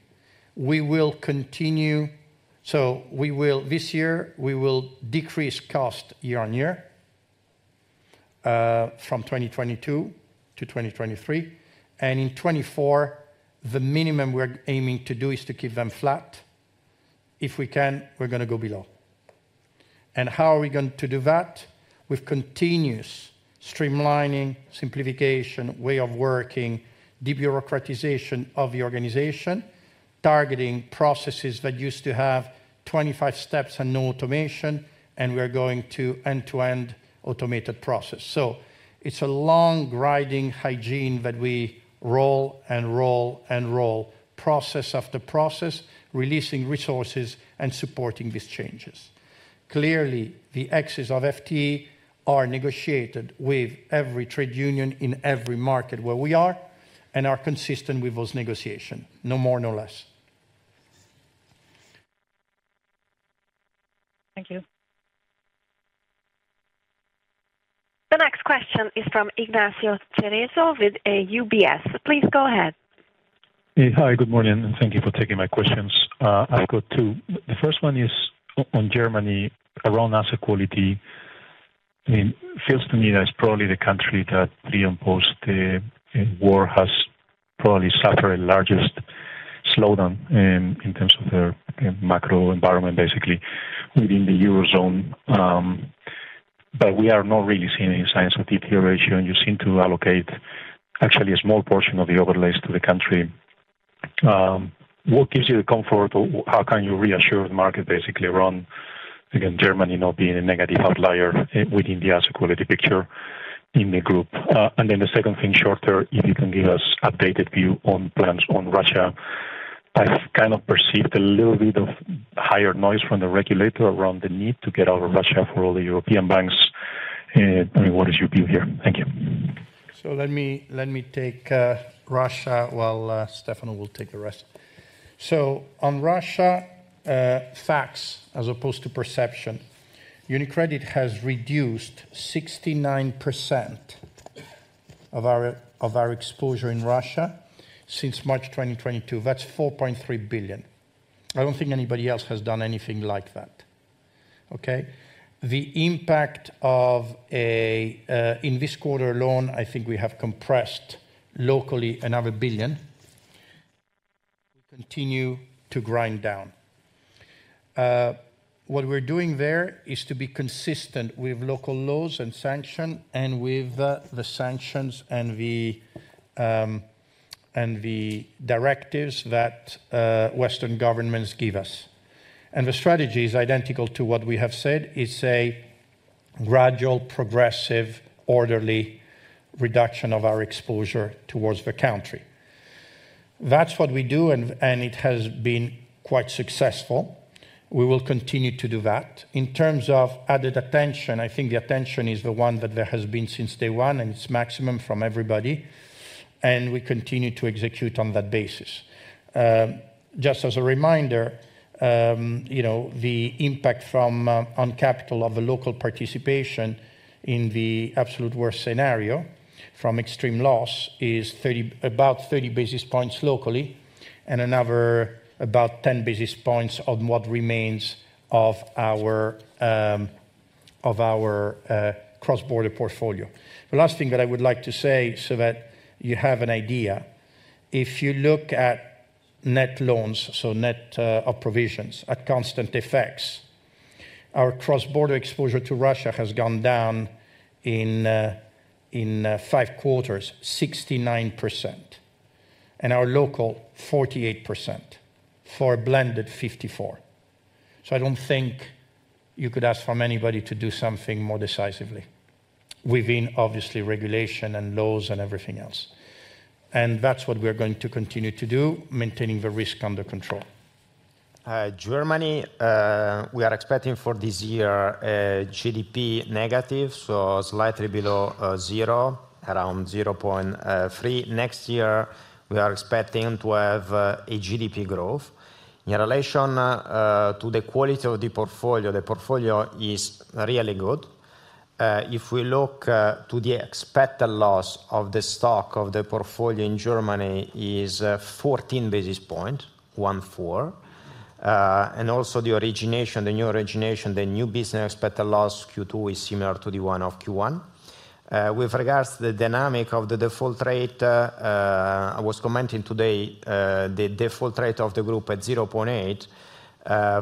this year, we will decrease cost year-over-year from 2022 to 2023, and in 2024, the minimum we're aiming to do is to keep them flat. If we can, we're gonna go below. How are we going to do that? With continuous streamlining, simplification, way of working, debureaucratization of the organization, targeting processes that used to have 25 steps and no automation, and we are going to end-to-end automated process. It's a long, grinding hygiene that we roll and roll and roll, process after process, releasing resources and supporting these changes. Clearly, the X's of FTE are negotiated with every trade union in every market where we are, and are consistent with those negotiation. No more, no less. Thank you. The next question is from Ignacio Cerezo with UBS. Please go ahead. Hey, hi, good morning. Thank you for taking my questions. I've got two. The first one is on Germany, around asset quality. I mean, it feels to me that it's probably the country that pre and post, the war has probably suffered the largest slowdown in terms of their macro environment, basically within the Eurozone. We are not really seeing any signs of deterioration, you seem to allocate actually a small portion of the overlays to the country. What gives you the comfort or how can you reassure the market, basically, around, again, Germany not being a negative outlier within the asset quality picture in the group? Then the second thing, shorter, if you can give us updated view on plans on Russia. I've kind of perceived a little bit of higher noise from the regulator around the need to get out of Russia for all the European banks. I mean, what is your view here? Thank you. Let me take Russia, while Stefano will take the rest. On Russia, facts, as opposed to perception, UniCredit has reduced 69% of our exposure in Russia since March 2022. That's 4.3 billion. I don't think anybody else has done anything like that, okay. In this quarter alone, I think we have compressed locally another 1 billion, continue to grind down. What we're doing there is to be consistent with local laws and sanction, and with the sanctions and the directives that Western governments give us. The strategy is identical to what we have said. It's a gradual, progressive, orderly reduction of our exposure towards the country. That's what we do, and it has been quite successful. We will continue to do that. In terms of added attention, I think the attention is the one that there has been since day 1, and it's maximum from everybody, and we continue to execute on that basis. Just as a reminder, you know, the impact from on capital of the local participation in the absolute worst scenario from extreme loss is about 30 basis points locally, and another about 10 basis points on what remains of our cross-border portfolio. The last thing that I would like to say so that you have an idea, if you look at net loans, so net of provisions at constant effects, our cross-border exposure to Russia has gone down in five quarters, 69%, and our local, 48%, for a blended 54%. I don't think you could ask from anybody to do something more decisively, within obviously regulation and laws and everything else. That's what we are going to continue to do, maintaining the risk under control. Germany, we are expecting for this year, a GDP negative, so slightly below zero, around 0.3. Next year, we are expecting to have a GDP growth. In relation to the quality of the portfolio, the portfolio is really good. If we look to the expected loss of the stock of the portfolio in Germany is 14 basis points. And also the origination, the new origination, the new business expected loss Q2 is similar to the one of Q1. With regards to the dynamic of the default rate, I was commenting today, the default rate of the group at 0.8,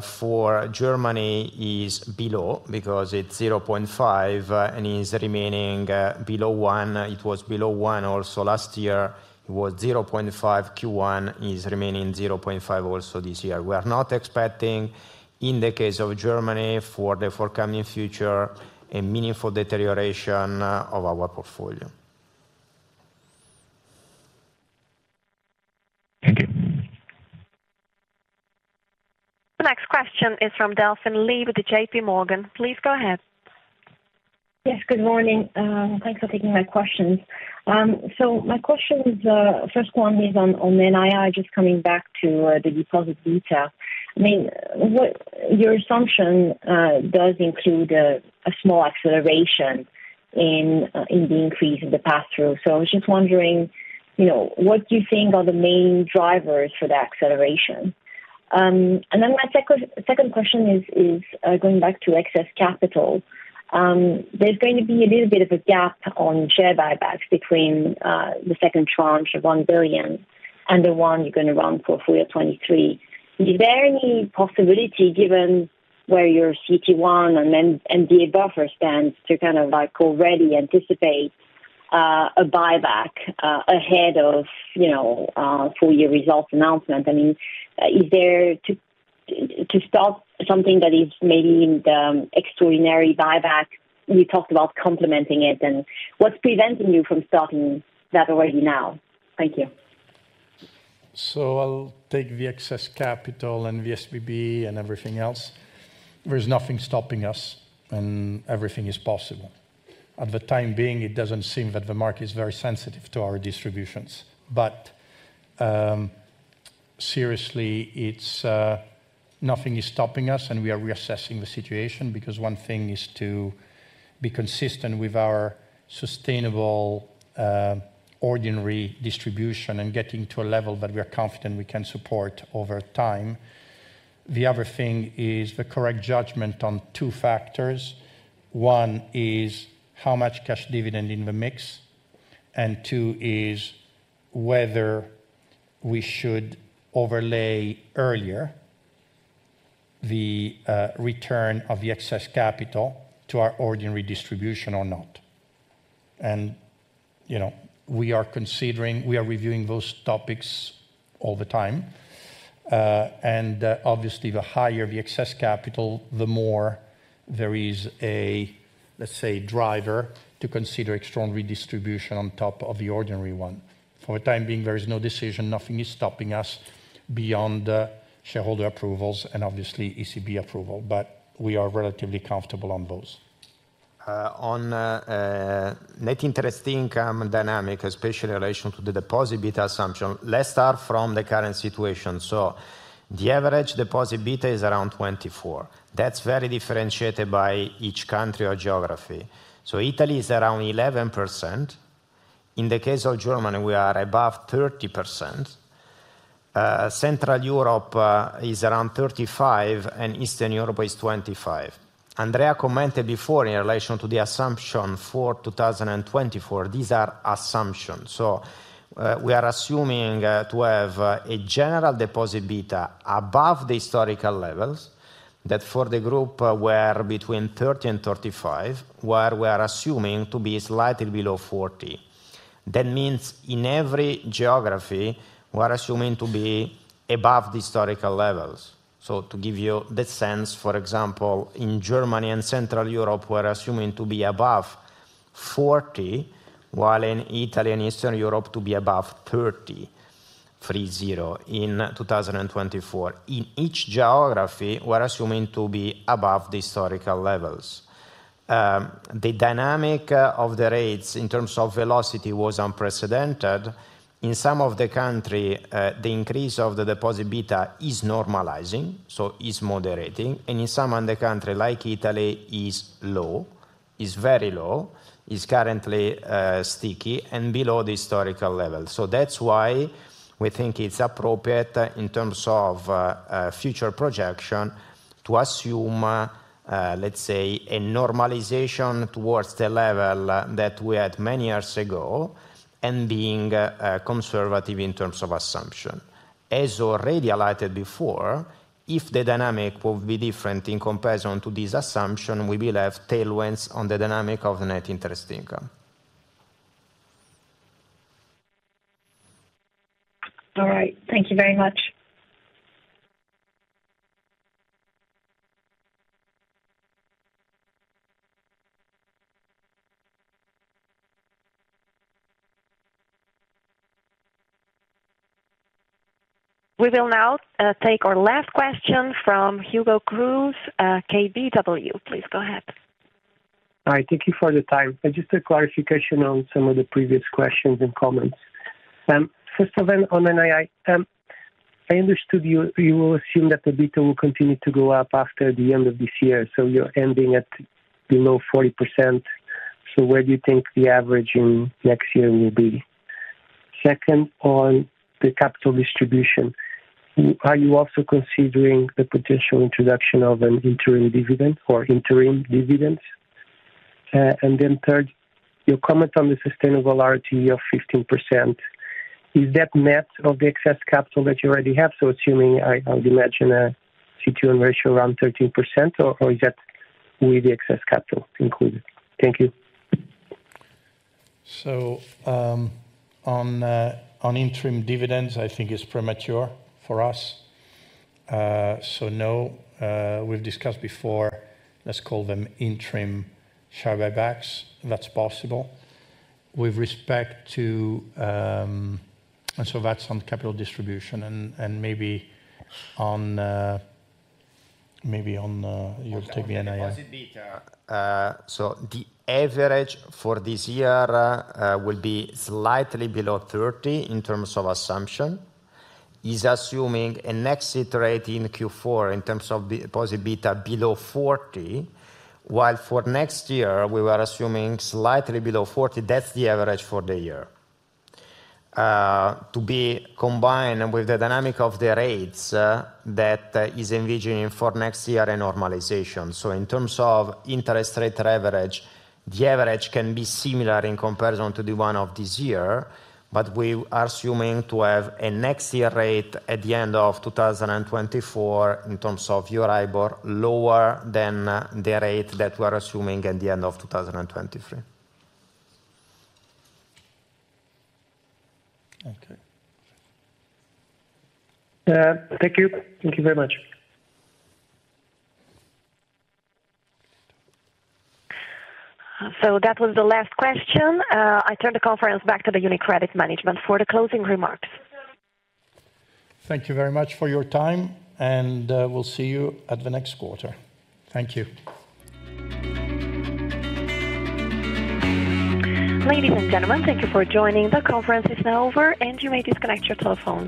for Germany is below, because it's 0.5, and is remaining below 1. It was below 1 also last year. It was 0.5, Q1 is remaining 0.5 also this year. We are not expecting, in the case of Germany, for the forthcoming future, a meaningful deterioration of our portfolio. Thank you. The next question is from Delphine Lee with JPMorgan. Please go ahead. Yes, good morning. Thanks for taking my questions. My question is, first one is on NII, just coming back to the deposit beta. I mean, your assumption does include a small acceleration in the increase in the pass-through. I was just wondering, you know, what do you think are the main drivers for that acceleration? My second question is, going back to excess capital. There's going to be a little bit of a gap on share buybacks between the second tranche of 1 billion and the one you're going to run for full year 2023. Is there any possibility, given where your CET1 and then MDA buffer stands, to kind of, like, already anticipate a buyback ahead of, you know, full year results announcement? I mean, is there to start something that is maybe in the extraordinary buyback, we talked about complementing it. What's preventing you from starting that already now? Thank you. I'll take the excess capital and the SBB and everything else. There's nothing stopping us, and everything is possible. At the time being, it doesn't seem that the market is very sensitive to our distributions. Seriously, it's nothing is stopping us, and we are reassessing the situation. One thing is to be consistent with our sustainable ordinary distribution and getting to a level that we are confident we can support over time. The other thing is the correct judgment on two factors. One is how much cash dividend in the mix, and two is whether we should overlay earlier the return of the excess capital to our ordinary distribution or not. You know, we are reviewing those topics all the time. Obviously, the higher the excess capital, the more there is a let's say driver to consider extraordinary distribution on top of the ordinary one. For the time being, there is no decision. Nothing is stopping us beyond the shareholder approvals and obviously ECB approval, but we are relatively comfortable on those. On net interest income and dynamic, especially in relation to the deposit beta assumption, let's start from the current situation. The average deposit beta is around 24%. That's very differentiated by each country or geography. Italy is around 11%. In the case of Germany, we are above 30%. Central Europe is around 35%, and Eastern Europe is 25%. Andrea commented before in relation to the assumption for 2024, these are assumptions. We are assuming to have a general deposit beta above the historical levels, that for the group were between 30% and 35%, where we are assuming to be slightly below 40%. That means in every geography, we're assuming to be above the historical levels. To give you the sense, for example, in Germany and Central Europe, we're assuming to be above 40, while in Italy and Eastern Europe, to be above 30, in 2024. In each geography, we're assuming to be above the historical levels. The dynamic of the rates in terms of velocity was unprecedented. In some of the country, the increase of the deposit beta is normalizing, so is moderating, and in some other country, like Italy, is very low, is currently sticky and below the historical level. That's why we think it's appropriate in terms of a future projection to assume, let's say, a normalization towards the level that we had many years ago, and being conservative in terms of assumption. As already highlighted before, if the dynamic will be different in comparison to this assumption, we will have tailwinds on the dynamic of net interest income. All right. Thank you very much. We will now take our last question from Hugo Cruz, KBW. Please go ahead. All right, thank you for the time. Just a clarification on some of the previous questions and comments. First of all, on NII, I understood you will assume that the beta will continue to go up after the end of this year, so you're ending at below 40%. Where do you think the average in next year will be? Second, on the capital distribution, are you also considering the potential introduction of an interim dividend or interim dividends? Third, your comment on the sustainable RTE of 15%, is that net of the excess capital that you already have, so assuming, I would imagine a CET1 ratio around 13%, or is that with the excess capital included? Thank you. On interim dividends, I think it's premature for us. No, we've discussed before, let's call them interim share buybacks, that's possible. With respect to... That's on capital distribution and maybe on, you take the NII. Deposit beta. The average for this year will be slightly below 30 in terms of assumption, is assuming an exit rate in Q4 in terms of the deposit beta below 40, while for next year we were assuming slightly below 40. That's the average for the year. To be combined with the dynamic of the rates that is envisaging for next year a normalization. In terms of interest rate average, the average can be similar in comparison to the one of this year, but we are assuming to have a next year rate at the end of 2024, in terms of Euribor, lower than the rate that we are assuming at the end of 2023. Thank you. Thank you very much. That was the last question. I turn the conference back to the UniCredit management for the closing remarks. Thank you very much for your time, and we'll see you at the next quarter. Thank you. Ladies and gentlemen, thank you for joining. The conference is now over, and you may disconnect your telephones.